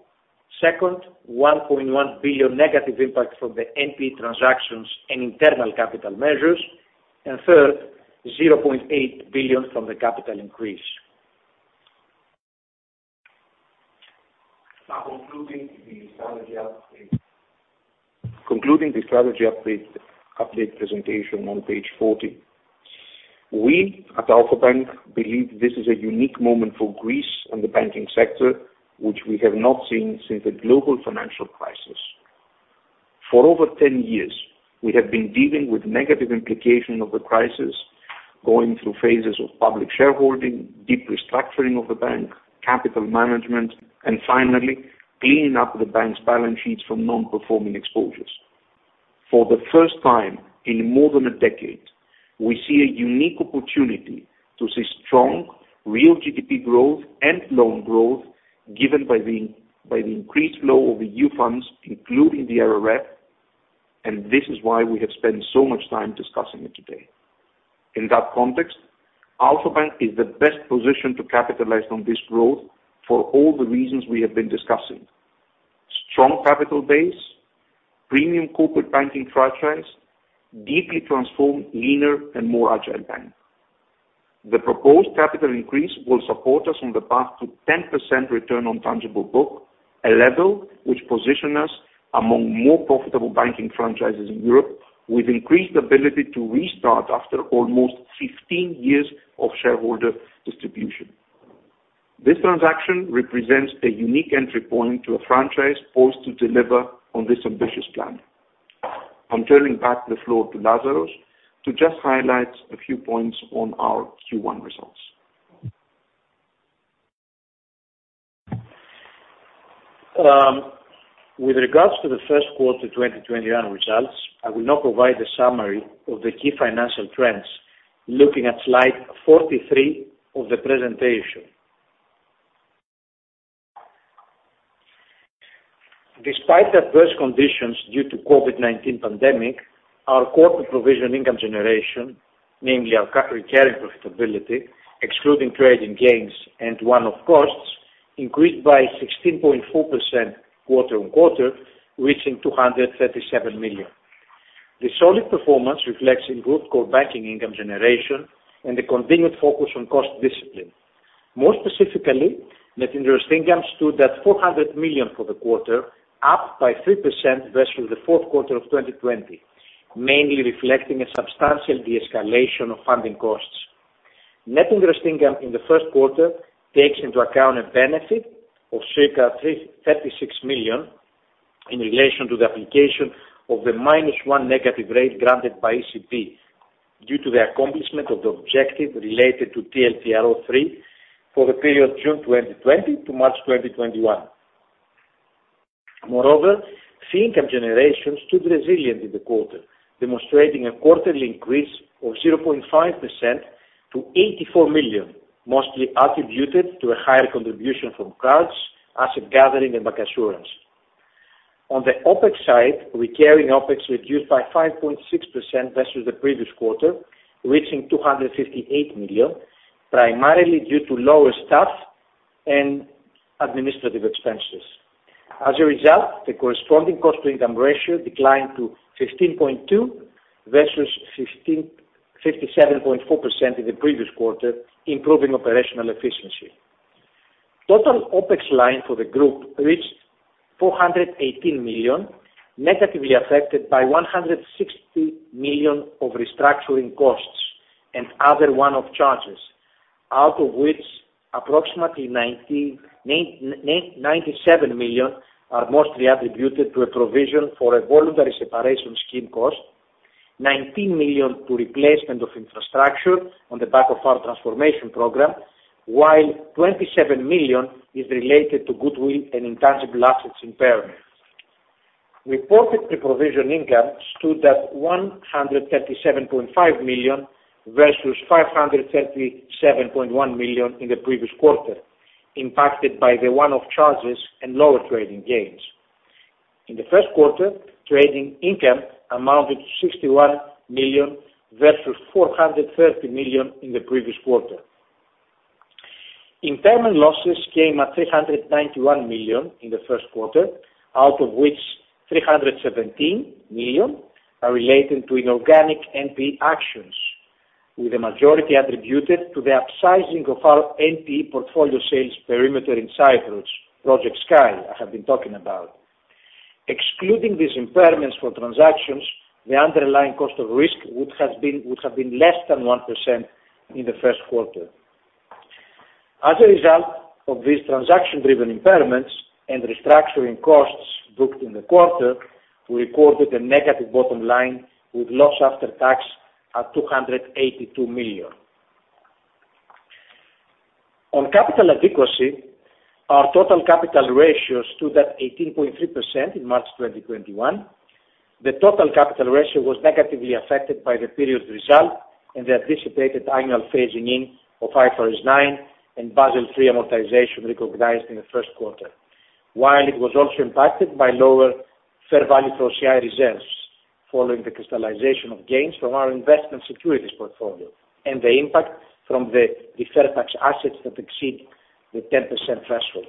Speaker 2: Second, 1.1 billion negative impact from the NPE transactions and internal capital measures. Third, 0.8 billion from the capital increase. Now concluding the strategy update presentation on page 40. We at Alpha Bank believe this is a unique moment for Greece and the banking sector, which we have not seen since the global financial crisis. For over 10 years, we have been dealing with negative implications of the crisis, going through phases of public shareholding, deep restructuring of the bank, capital management, and finally, cleaning up the bank's balance sheets from non-performing exposures. For the first time in more than a decade, we see a unique opportunity to see strong real GDP growth and loan growth given by the increased flow of EU funds, including the RRF, and this is why we have spent so much time discussing it today. In that context, Alpha Bank is the best positioned to capitalize on this growth for all the reasons we have been discussing. Strong capital base, premium corporate banking franchise, deeply transformed, leaner, and more agile bank. The proposed capital increase will support us on the path to 10% return on tangible book, a level which positions us among more profitable banking franchises in Europe, with increased ability to restart after almost 15 years of shareholder distribution. This transaction represents a unique entry point to a franchise poised to deliver on this ambitious plan. I'm turning back the floor to Lazaros to just highlight a few points on our Q1 results.
Speaker 3: With regards to the first quarter 2021 results, I will now provide a summary of the key financial trends, looking at slide 43 of the presentation. Despite adverse conditions due to COVID-19 pandemic, our quarter provision income generation, namely our current year profitability, excluding trading gains and one-off costs increased by 16.4% quarter-on-quarter, reaching 237 million. The solid performance reflects in group core banking income generation and a continued focus on cost discipline. More specifically, net interest income stood at 400 million for the quarter, up by 3% versus the fourth quarter of 2020, mainly reflecting a substantial de-escalation of funding costs. Net interest income in the first quarter takes into account a benefit of circa 336 million in relation to the application of the minus one negative rate granted by ECB due to the accomplishment of the objective related to TLTRO-III for the period June 2020 to March 2021. Moreover, fee income generation stood resilient in the quarter, demonstrating a quarterly increase of 0.5% to 84 million, mostly attributed to a higher contribution from cards, asset gathering, and bancassurance. On the OpEx side, recurring OpEx reduced by 5.6% versus the previous quarter, reaching 258 million, primarily due to lower staff and administrative expenses. As a result, the corresponding cost-to-income ratio declined to 15.2% versus 17.4% in the previous quarter, improving operational efficiency. Total OpEx line for the group reached 418 million, negatively affected by 160 million of restructuring costs and other one-off charges, out of which approximately 97 million are mostly attributed to a provision for a voluntary separation scheme cost, 19 million to replacement of infrastructure on the back of our transformation program, while 27 million is related to goodwill and intangible assets impairment. Reported pre-provision income stood at 137.5 million versus 537.1 million in the previous quarter, impacted by the one-off charges and lower trading gains. In the first quarter, trading income amounted to 61 million versus 430 million in the previous quarter. Impairment losses came at 391 million in the first quarter, out of which 317 million are related to inorganic NPE actions, with the majority attributed to the upsizing of our NPE portfolio sales perimeter in Cyprus, Project Sky, I have been talking about. Excluding these impairments for transactions, the underlying cost of risk would have been less than 1% in the first quarter. As a result of these transaction-driven impairments and restructuring costs booked in the quarter, we recorded a negative bottom line with loss after tax at 282 million. On capital adequacy, our total capital ratio stood at 18.3% in March 2021. The total capital ratio was negatively affected by the period result and the anticipated annual phasing in of IFRS 9 and Basel III amortization recognized in the first quarter, while it was also impacted by lower fair value OCI reserves following the crystallization of gains from our investment securities portfolio and the impact from the deferred tax assets that exceed the 10% threshold.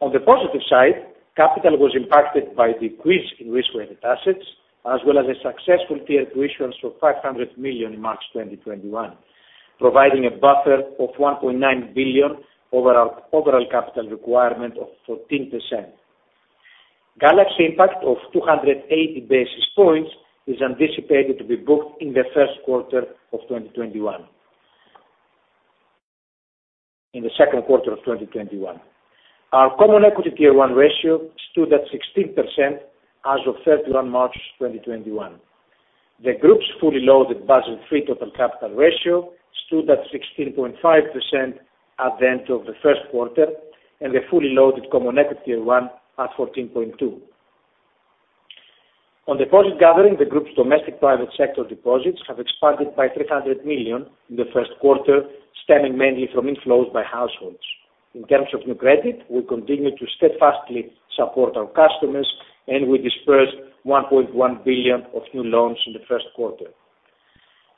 Speaker 3: On the positive side, capital was impacted by decrease in risk-weighted assets as well as a successful tier issuance of 500 million in March 2021, providing a buffer of 1.9 billion over our overall capital requirement of 14%. Galaxy impact of 280 basis points is anticipated to be booked in the second quarter of 2021. Our common equity tier one ratio stood at 16% as of 31 March 2021. The group's fully loaded Basel III total capital ratio stood at 16.5% at the end of the first quarter, and the fully loaded common equity tier one at 14.2%. On deposit gathering, the group's domestic private sector deposits have expanded by 300 million in the first quarter, stemming mainly from inflows by households. In terms of new credit, we continue to steadfastly support our customers, and we disbursed 1.1 billion of new loans in the first quarter.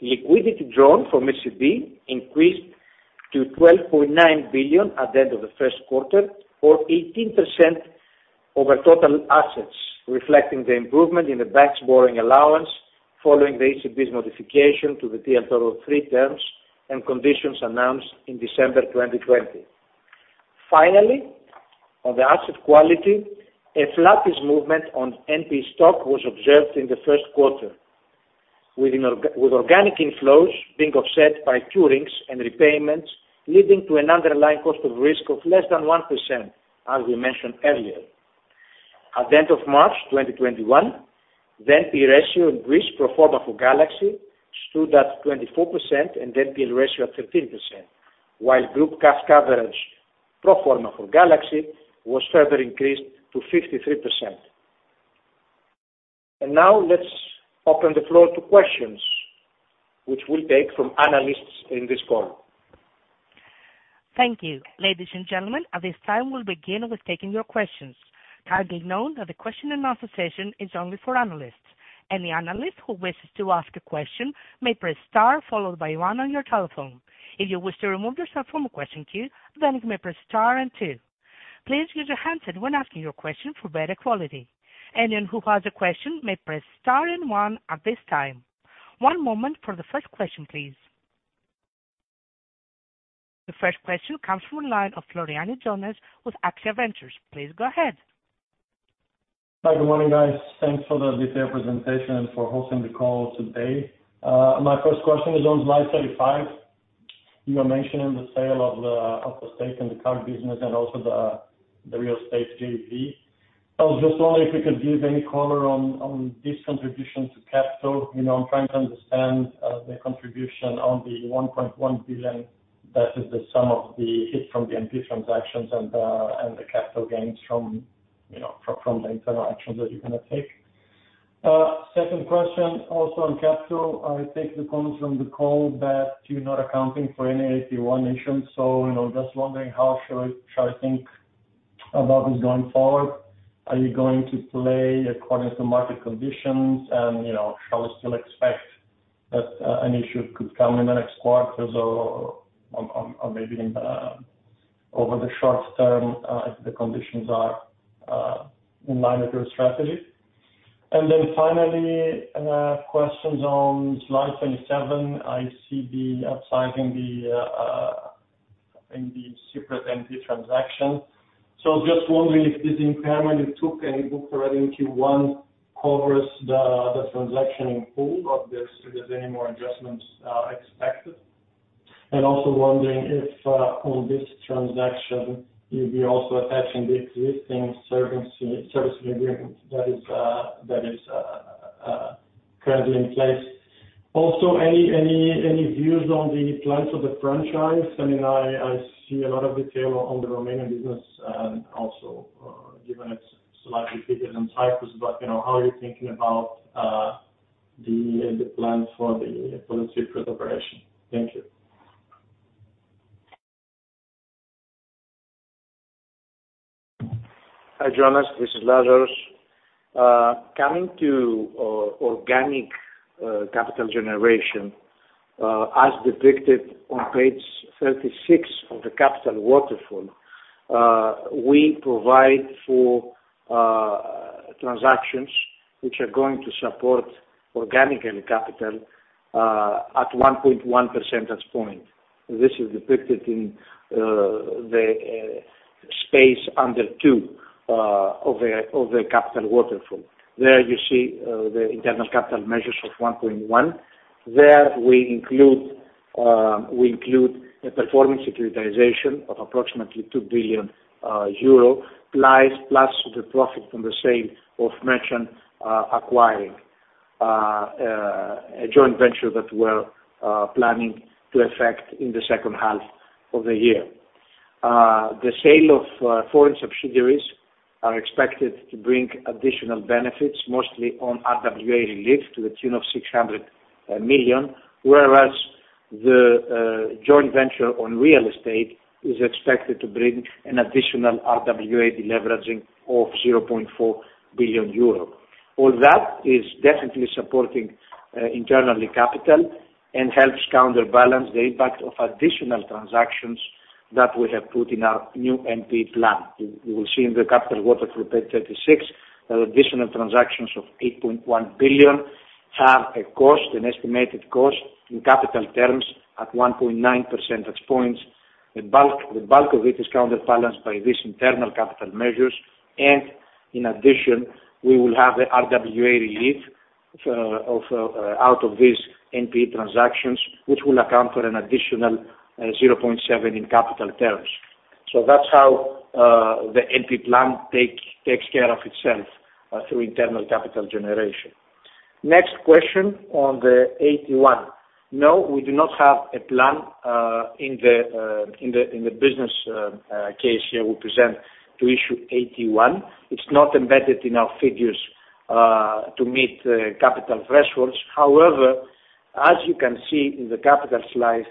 Speaker 3: Liquidity drawn from ECB increased to 12.9 billion at the end of the first quarter, or 18% over total assets, reflecting the improvement in the bank's borrowing allowance following the ECB's notification to the TLTRO III terms and conditions announced in December 2020. Finally, on the asset quality, a flattish movement on NPE stock was observed in the first quarter, with organic inflows being offset by cure rates and repayments, leading to an underlying cost of risk of less than 1%, as we mentioned earlier. At the end of March 2021, the NPE ratio in Greece pro forma for Galaxy stood at 24%, and NPE ratio at 13%, while group cash coverage pro forma for Galaxy was further increased to 53%. Now let's open the floor to questions, which we'll take from analysts in this call.
Speaker 1: Thank you. Ladies and gentlemen, at this time, we will begin with taking your questions. Now be known that the question and answer session is only for analysts. Any analyst who wishes to ask a question may press star followed by one on your telephone. If you wish to remove yourself from a question queue, you may press star and two. Please use your handset when asking your question for better quality. Anyone who has a question may press star and one at this time. One moment for the first question, please. The first question comes from the line of Floriani Jonas with AXIA Ventures Group. Please go ahead.
Speaker 4: Hi, good morning, guys. Thanks for the detailed presentation, for hosting the call today. My first question is on slide 35. You are mentioning the sale of the stake in the card business and also the real estate JV. I was just wondering if you could give any color on this contribution to capital. I'm trying to understand the contribution on the 1.1 billion that is the sum of the hit from the NP transactions and the capital gains from the international that you're going to take. Second question also on capital. I take the comments from the call that you're not accounting for any AT1 issuance. Just wondering how should I think about this going forward? Are you going to play according to market conditions? Should I still expect that an issue could come in the next quarters or maybe over the short term if the conditions are in line with your strategy? Finally, questions on slide 27. I see the upside in the Cyprus NPE Transaction. Just wondering if this impairment you took and booked already Q1 covers the transaction in full. Obviously, there's any more adjustments expected. Also wondering if on this transaction you'll be also attaching the existing service agreement that is currently in place. Also, any views on the plans of the franchise? I see a lot of detail on the Romanian business and also given it's slightly bigger than Cyprus, but how are you thinking about the plans for the [Cypriot] operation? Thank you.
Speaker 3: Hi, Jonas, this is Lazaros. Coming to organic capital generation, as depicted on page 36 of the capital waterfall, we provide for transactions which are going to support organic capital, at 1.1 percentage point. This is depicted in the space under two of the capital waterfall. There you see the internal capital measures of 1.1. There we include a performance securitization of approximately 2 billion euro, plus the profit from the sale of merchant acquiring, a joint venture that we're planning to effect in the second half of the year. The sale of foreign subsidiaries are expected to bring additional benefits, mostly on RWA relief to the tune of 600 million, whereas the joint venture on real estate is expected to bring an additional RWA deleveraging of 0.4 billion euro. All that is definitely supporting internal capital and helps counterbalance the impact of additional transactions that we have put in our new NPE plan. You will see in the capital waterfall, page 36, that additional transactions of 8.1 billion have a cost, an estimated cost in capital terms at 1.9 percentage points. The bulk of it is counterbalanced by these internal capital measures, and in addition, we will have the RWA relief out of these NPE transactions, which will account for an additional 0.7 in capital terms. That's how the NPE plan takes care of itself through internal capital generation. Next question on the AT1. No, we do not have a plan in the business case here we present to issue AT1. It's not embedded in our figures to meet capital thresholds. As you can see in the capital slide,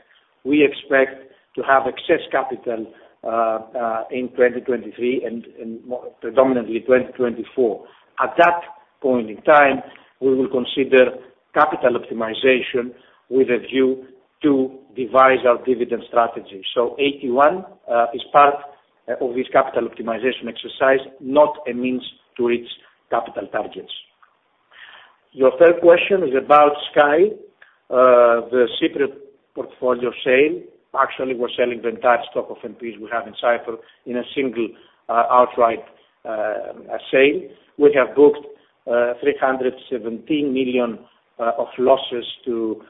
Speaker 3: we expect to have excess capital in 2023 and predominantly 2024. At that point in time, we will consider capital optimization with a view to devise our dividend strategy. AT1 is part of this capital optimization exercise, not a means to reach capital targets. Your third question is about Sky, the Cypriot portfolio sale. Actually, we're selling the entire stock of NPEs we have in Cyprus in a single outright sale. We have booked 317 million of losses to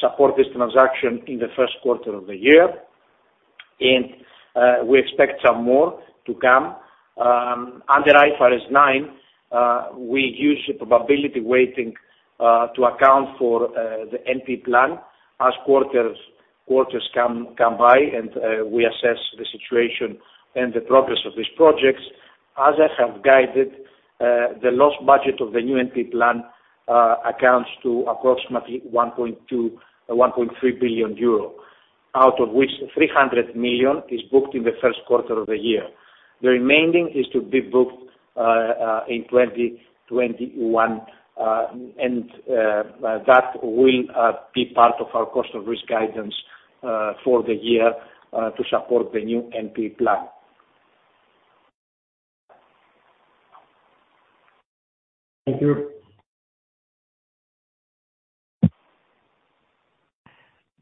Speaker 3: support this transaction in the first quarter of the year, and we expect some more to come. Under IFRS 9, we use a probability weighting to account for the NPE plan as quarters come by and we assess the situation and the progress of these projects. As I have guided, the loss budget of the new NPE plan accounts to approximately 1.2 billion euro, 1.3 billion euro. Out of which 300 million is booked in the first quarter of the year. The remaining is to be booked in 2021, and that will be part of our cost of risk guidance for the year to support the new NPE plan.
Speaker 5: Thank you.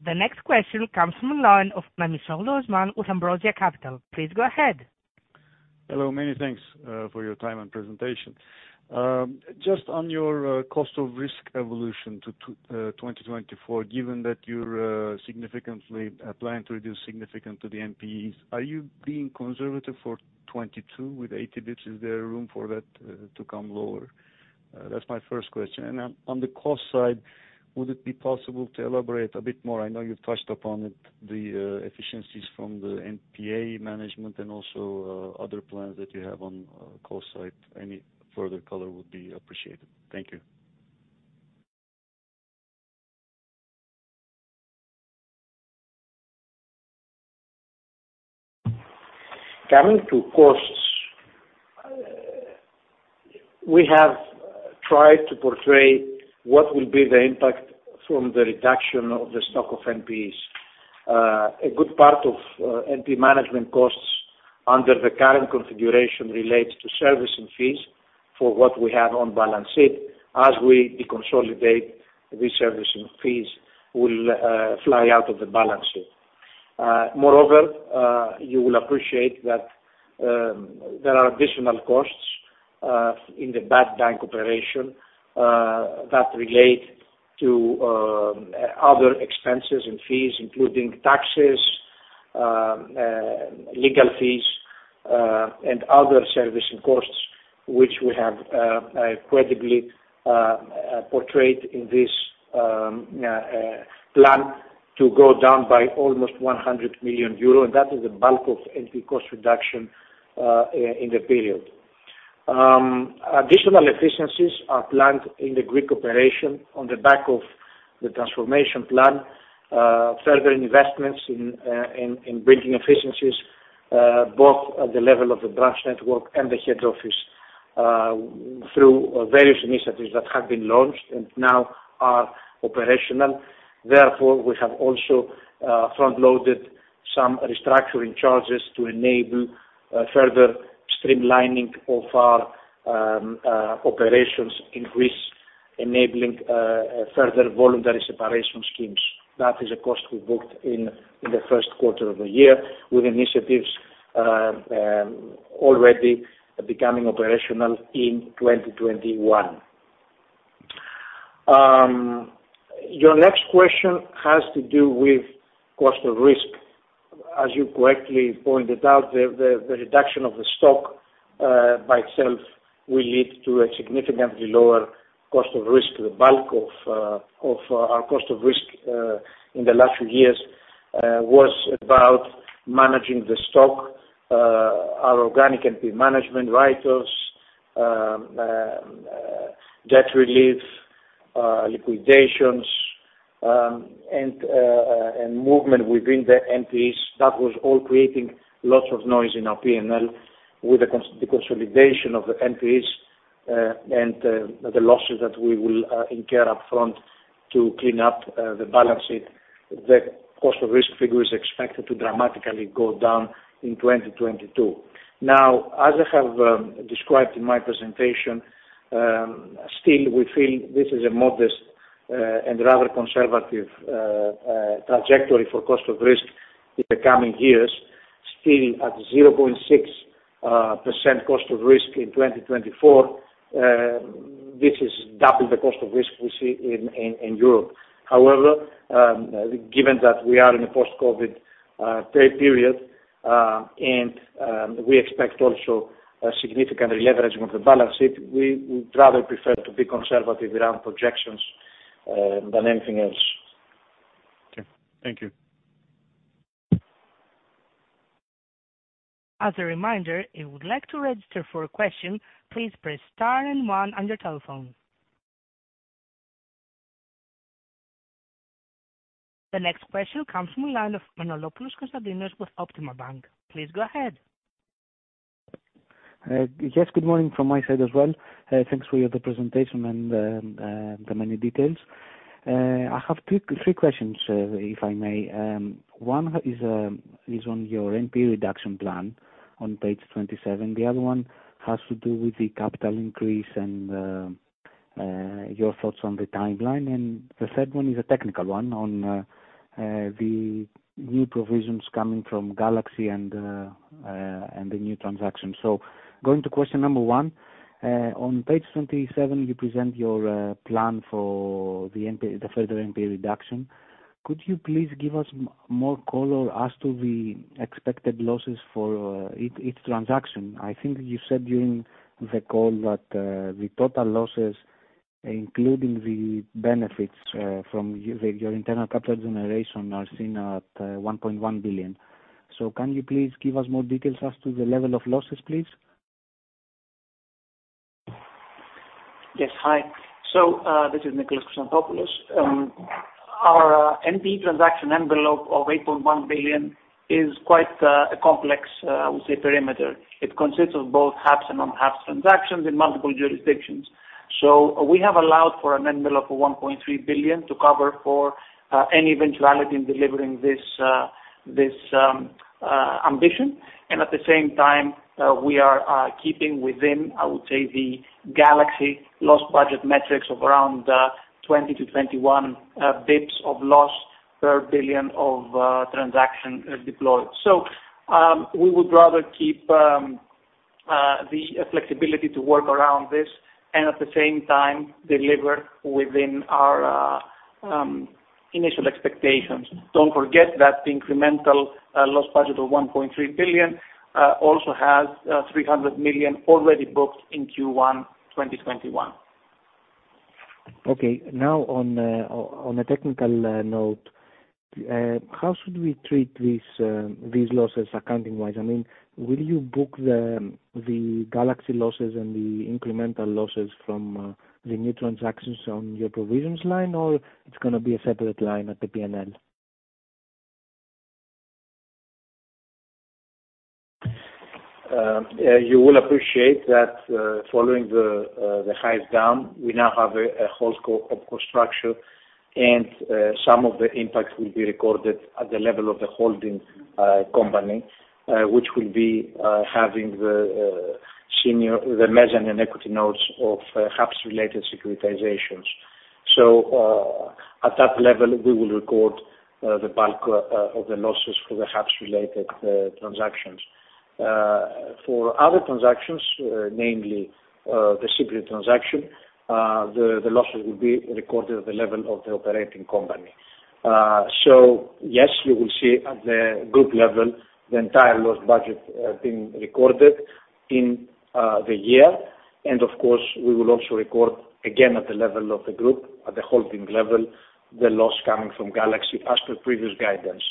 Speaker 1: The next question comes from the line of [Manuchehr Rahman] with Ambrosia Capital. Please go ahead.
Speaker 5: Hello. Many thanks for your time and presentation. Just on your cost of risk evolution to 2024, given that you plan to reduce significant to the NPEs, are you being conservative for 2022 with 80 basis points? Is there room for that to come lower? That's my first question. On the cost side, would it be possible to elaborate a bit more? I know you touched upon it, the efficiencies from the NPE management and also other plans that you have on cost side. Any further color would be appreciated. Thank you.
Speaker 3: Coming to costs. We have tried to portray what will be the impact from the reduction of the stock of NPEs. A good part of NP management costs under the current configuration relates to servicing fees for what we have on balance sheet. As we deconsolidate, these servicing fees will fly out of the balance sheet. Moreover, you will appreciate that there are additional costs in the bad bank operation, that relate to other expenses and fees, including taxes, legal fees, and other servicing costs, which we have credibly portrayed in this plan to go down by almost 100 million euro. That is the bulk of NP cost reduction in the period. Additional efficiencies are planned in the Greek operation on the back of the transformation plan, further investments in bridging efficiencies, both at the level of the branch network and the head office, through various initiatives that have been launched and now are operational. Therefore, we have also front-loaded some restructuring charges to enable further streamlining of our operations, in which enabling further voluntary separation schemes. That is a cost we booked in the first quarter of the year with initiatives already becoming operational in 2021. Your next question has to do with cost of risk. As you correctly pointed out, the reduction of the stock by itself will lead to a significantly lower cost of risk. The bulk of our cost of risk in the last few years was about managing the stock, our organic NPE management write-offs, debt relief, liquidations, and movement within the NPEs. That was all creating lots of noise in our P&L with the consolidation of the NPEs and the losses that we will incur up front to clean up the balance sheet. The cost of risk figure is expected to dramatically go down in 2022. As I have described in my presentation, still we feel this is a modest and rather conservative trajectory for cost of risk in the coming years. Still at 0.6% cost of risk in 2024, this is double the cost of risk we see in Europe. Given that we are in a post-COVID period, and we expect also a significant deleveraging of the balance sheet, we rather prefer to be conservative around projections than anything else.
Speaker 5: Okay. Thank you.
Speaker 1: As a reminder, if you would like to register for a question, please press star and one on your telephone. The next question comes from the line of [Manolis Kosmidis] with Optima bank. Please go ahead.
Speaker 6: Good morning from my side as well. Thanks for the presentation and the many details. I have three questions, if I may. One is on your NPE reduction plan on page 27. The other one has to do with the capital increase and your thoughts on the timeline, and the second one is a technical one on the new provisions coming from Galaxy and the new transaction. Going to question number one. On page 27, you present your plan for the further NPE reduction. Could you please give us more color as to the expected losses for each transaction? I think you said during the call that the total losses, including the benefits from your internal capital generation, are seen at 1.1 billion. Can you please give us more details as to the level of losses, please?
Speaker 7: Yes, hi. This is Nicholas Chryssanthopoulos. Our NPE transaction envelope of 8.1 billion is quite a complex, I would say, perimeter. It consists of both HAPS and non-HAPS transactions in multiple jurisdictions. We have allowed for an envelope of 1.3 billion to cover for any eventuality in delivering this ambition. At the same time, we are keeping within, I would say, the Galaxy loss budget metrics of around 20-21 basis points of loss per billion of transaction deployed. We would rather keep the flexibility to work around this and at the same time deliver within our initial expectations. Don't forget that the incremental loss budget of 1.3 billion also has 300 million already booked in Q1 2021.
Speaker 6: Okay, now on a technical note, how should we treat these losses accounting-wise? Will you book the Galaxy losses and the incremental losses from the new transactions on your provisions line, or it's going to be a separate line at the P&L?
Speaker 3: You will appreciate that following the hive-down, we now have a whole scope of construction, and some of the impact will be recorded at the level of the holding company, which will be having the measure and equity notes of HAPS related securitizations. At that level, we will record the bulk of the losses for the HAPS related transactions. For other transactions, namely the Cypriot transaction, the losses will be recorded at the level of the operating company. Yes, you will see at the group level, the entire loss budget being recorded in the year, and of course, we will also record again at the level of the group, at the holding level, the loss coming from Galaxy as per previous guidance.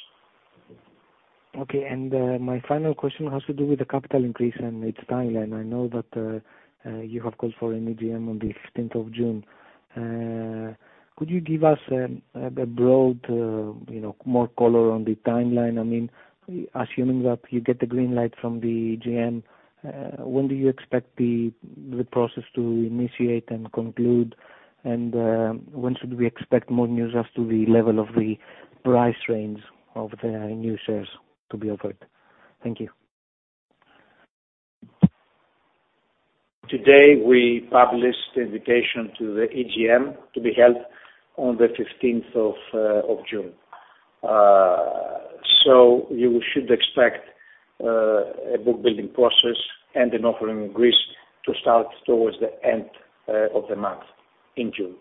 Speaker 6: Okay, my final question has to do with the capital increase and its timeline. I know that you have called for an AGM on the 15th of June. Could you give us a broad, more color on the timeline? Assuming that you get the green light from the AGM, when do you expect the process to initiate and conclude? When should we expect more news as to the level of the price range of the new shares to be offered? Thank you.
Speaker 3: Today, we published the invitation to the AGM to be held on the 15th of June. You should expect a book building process and an offering in Greece to start towards the end of the month in June.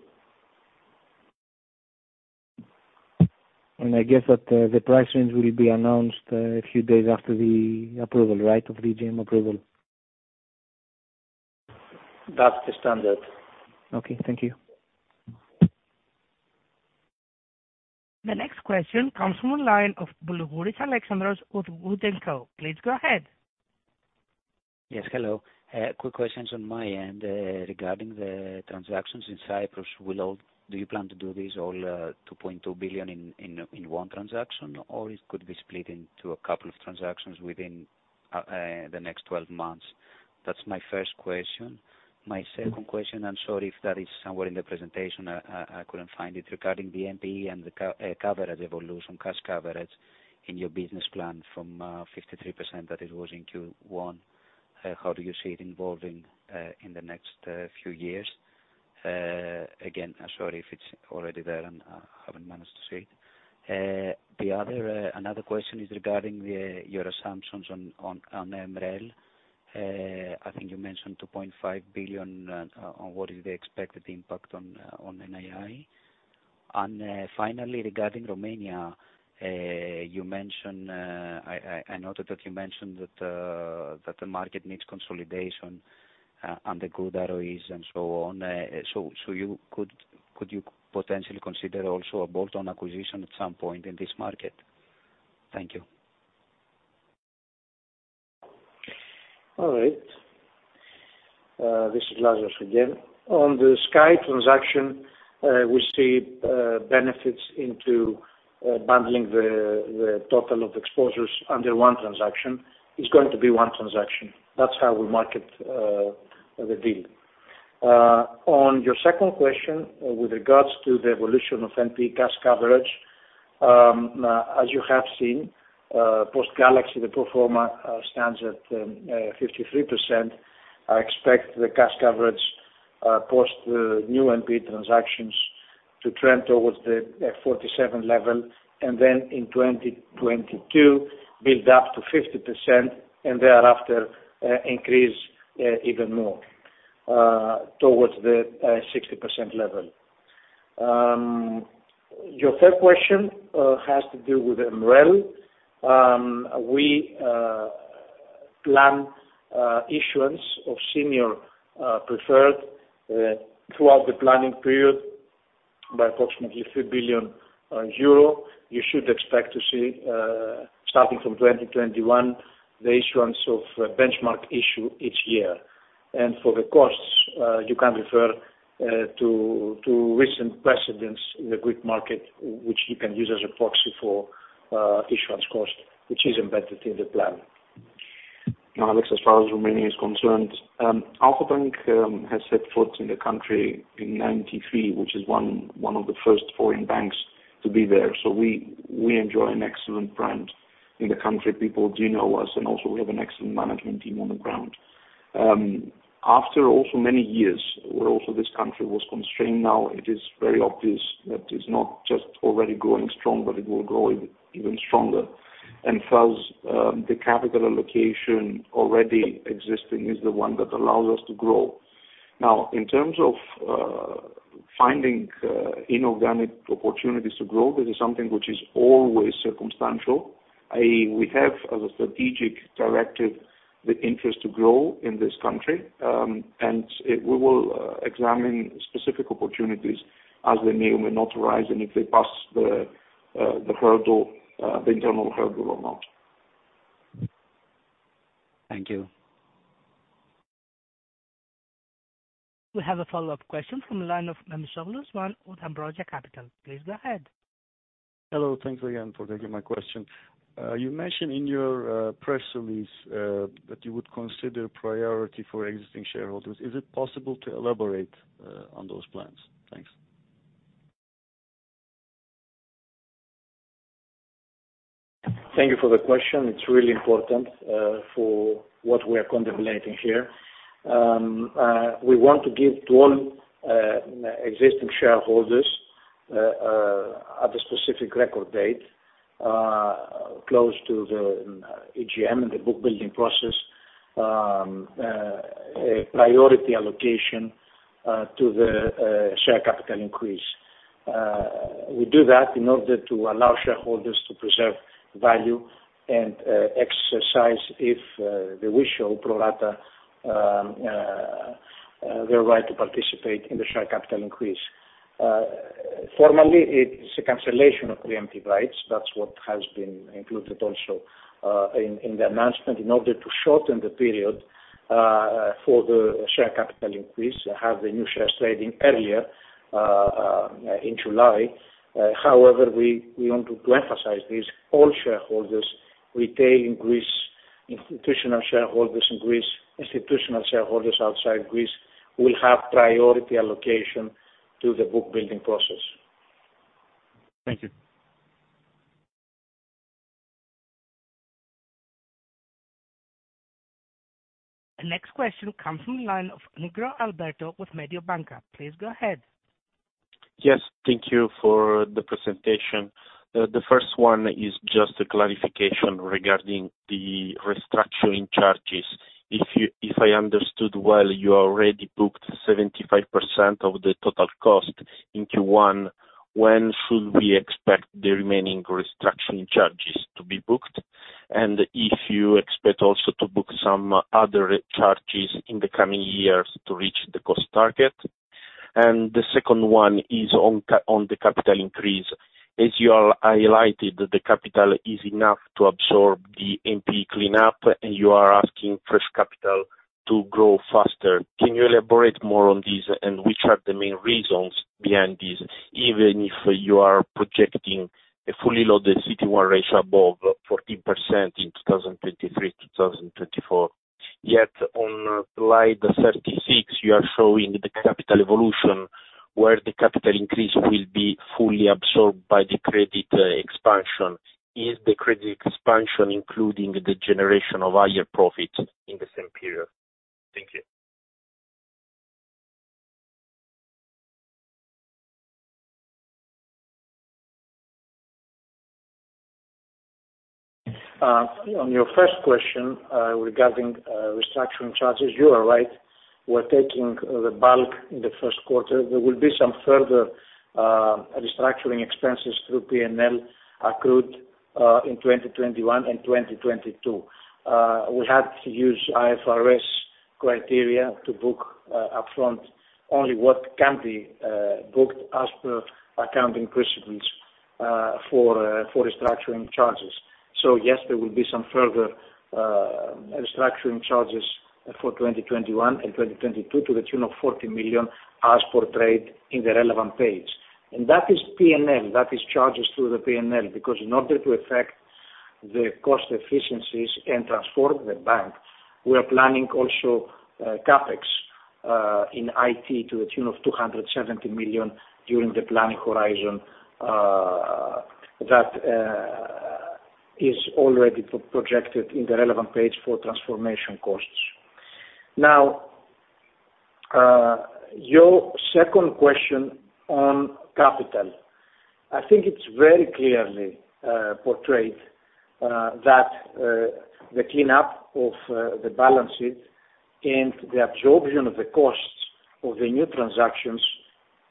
Speaker 6: I guess that the price range will be announced a few days after the approval, right? Of AGM approval.
Speaker 3: That's the standard.
Speaker 6: Okay, thank you.
Speaker 1: The next question comes from the line of [Boulougouris Alexandros] with WOOD & Co. Please go ahead.
Speaker 8: Yes, hello. Quick questions on my end regarding the transactions in Cyprus. Do you plan to do these all 2.2 billion in one transaction, or it could be split into a couple of transactions within the next 12 months? That's my first question. My second question, I'm sorry if that is somewhere in the presentation, I couldn't find it, regarding the NPE and the coverage evolution, cash coverage in your business plan from 53% that it was in Q1. How do you see it evolving in the next few years? Again, I'm sorry if it's already there and I haven't managed to see it. Another question is regarding your assumptions on MREL. I think you mentioned 2.5 billion on what is the expected impact on NII. Finally, regarding Romania, I noted that you mentioned that the market needs consolidation and the good ROEs and so on. Could you potentially consider also a bolt-on acquisition at some point in this market? Thank you.
Speaker 3: All right. This is Lazaros again. On the Sky transaction, we see benefits into bundling the total of exposures under one transaction. It is going to be one transaction. That is how we market the deal. On your second question with regards to the evolution of NPE cash coverage, as you have seen, post Galaxy, the pro forma stands at 53%. I expect the cash coverage post the new NPE transactions to trend towards the 47 level, and then in 2022, build up to 50%, and thereafter, increase even more towards the 60% level. Your third question has to do with MREL. We plan issuance of senior preferred throughout the planning period by approximately 3 billion euro. You should expect to see, starting from 2021, the issuance of a benchmark issue each year. For the costs, you can refer to recent precedents in the Greek market, which you can use as a proxy for issuance cost, which is embedded in the plan. Alex, as far as Romania is concerned, Alpha Bank has set foot in the country in 1993, which is one of the first foreign banks to be there. We enjoy an excellent brand in the country. People do know us, and also we have an excellent management team on the ground. After also many years where also this country was constrained, now it is very obvious that it's not just already growing strong, but it will grow even stronger. Thus, the capital allocation already existing is the one that allows us to grow. In terms of finding inorganic opportunities to grow, this is something which is always circumstantial, i.e., we have as a strategic directive the interest to grow in this country, and we will examine specific opportunities as they may or may not arise and if they pass the internal hurdle or not.
Speaker 8: Thank you.
Speaker 1: We have a follow-up question from the line of [Namsalal Suman] with Ambrosia Capital. Please go ahead.
Speaker 5: Hello. Thanks again for taking my question. You mentioned in your press release that you would consider priority for existing shareholders. Is it possible to elaborate on those plans? Thanks.
Speaker 3: Thank you for the question. It's really important for what we are contemplating here. We want to give to all existing shareholders at a specific record date, close to the AGM, the book building process, a priority allocation to the share capital increase. We do that in order to allow shareholders to preserve value and exercise, if they wish, or pro rata, their right to participate in the share capital increase. Formally, it is a cancellation of preemptive rights. That's what has been included also in the announcement in order to shorten the period for the share capital increase to have the new shares trading earlier in July. However, we want to emphasize this, all shareholders, retail in Greece, institutional shareholders in Greece, institutional shareholders outside Greece, will have priority allocation to the book building process.
Speaker 5: Thank you.
Speaker 1: The next question comes from the line of Alberto Nigro with Mediobanca. Please go ahead.
Speaker 9: Yes. Thank you for the presentation. The first one is just a clarification regarding the restructuring charges. If I understood well, you already booked 75% of the total cost into one. When should we expect the remaining restructuring charges to be booked? If you expect also to book some other charges in the coming years to reach the cost target. The second one is on the capital increase. As you highlighted, the capital is enough to absorb the NPE cleanup, and you are asking fresh capital to grow faster. Can you elaborate more on this and which are the main reasons behind this, even if you are projecting a fully loaded CET1 ratio above 40% in 2023, 2024? On slide 36, you are showing the capital evolution where the capital increase will be fully absorbed by the credit expansion. Is the credit expansion including the generation of higher profit in the same period? Thank you.
Speaker 3: On your first question regarding restructuring charges, you are right. We're taking the bulk in the first quarter. There will be some further restructuring expenses through P&L accrued in 2021 and 2022. We had to use IFRS criteria to book upfront only what can be booked as per accounting principles for restructuring charges. Yes, there will be some further restructuring charges for 2021 and 2022 to the tune of 40 million as portrayed in the relevant page. That is P&L. That is charges to the P&L, because in order to effect the cost efficiencies and transform the bank, we are planning also CapEx in IT to the tune of 270 million during the planning horizon that is already projected in the relevant page for transformation costs. Your second question on capital. I think it's very clearly portrayed that the cleanup of the balance sheet and the absorption of the costs of the new transactions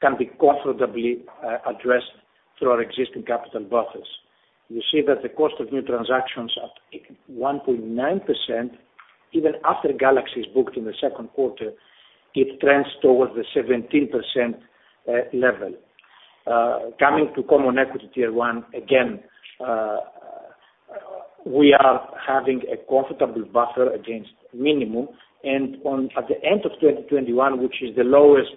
Speaker 3: can be comfortably addressed through our existing capital buffers. You see that the cost of new transactions at 1.9%, even after Galaxy is booked in the second quarter, it trends towards the 17% level. Coming to common equity tier one, again, we are having a comfortable buffer against minimum. At the end of 2021, which is the lowest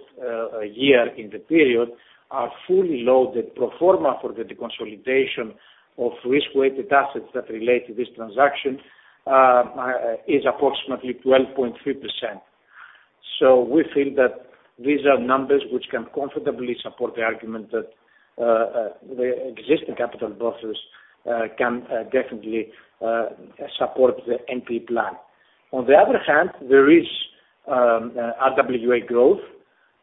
Speaker 3: year in the period, our fully loaded pro forma for the deconsolidation of risk-weighted assets that relate to this transaction is approximately 12.3%. We think that these are numbers which can comfortably support the argument that the existing capital buffers can definitely support the NPE plan. On the other hand, there is RWA growth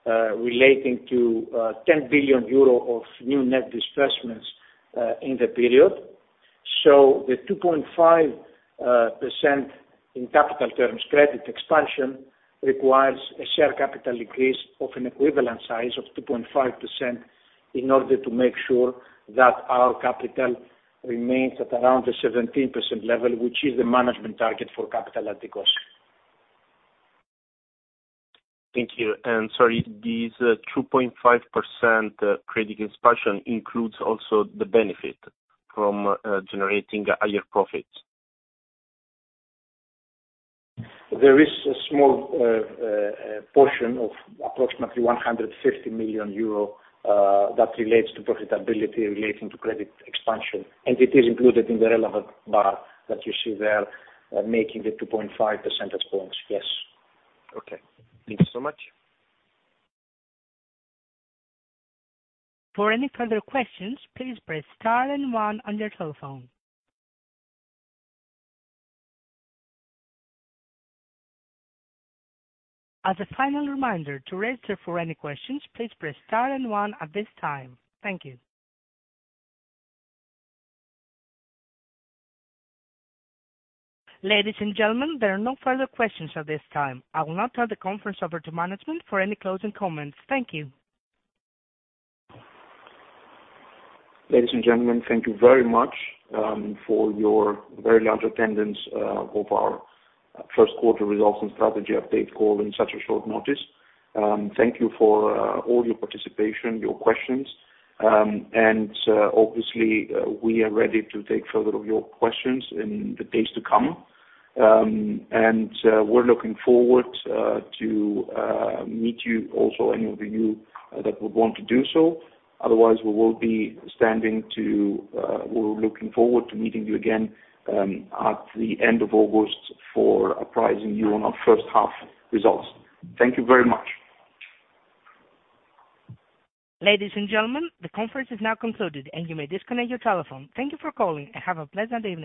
Speaker 3: relating to 10 billion euro of new net disbursements in the period. The 2.5% in capital terms, credit expansion, requires a share capital increase of an equivalent size of 2.5% in order to make sure that our capital remains at around the 17% level, which is the management target for capital adequacy.
Speaker 9: Thank you. Sorry, this 2.5% credit expansion includes also the benefit from generating higher profits?
Speaker 3: There is a small portion of approximately 150 million euro that relates to profitability relating to credit expansion, and it is included in the relevant bar that you see there, making the 2.5% response, yes.
Speaker 9: Okay. Thank you so much.
Speaker 1: Thank you. Ladies and gentlemen, there are no further questions at this time. I will now turn the conference over to management for any closing comments. Thank you.
Speaker 3: Ladies and gentlemen, thank you very much for your very large attendance of our first quarter results and strategy update call in such a short notice. Thank you for all your participation, your questions, and obviously, we are ready to take further of your questions in the days to come. We're looking forward to meet you also, any of you that would want to do so. Otherwise, we will be looking forward to meeting you again at the end of August for apprising you on our first half results. Thank you very much.
Speaker 1: Ladies and gentlemen, the conference is now concluded, and you may disconnect your telephone. Thank you for calling and have a pleasant day.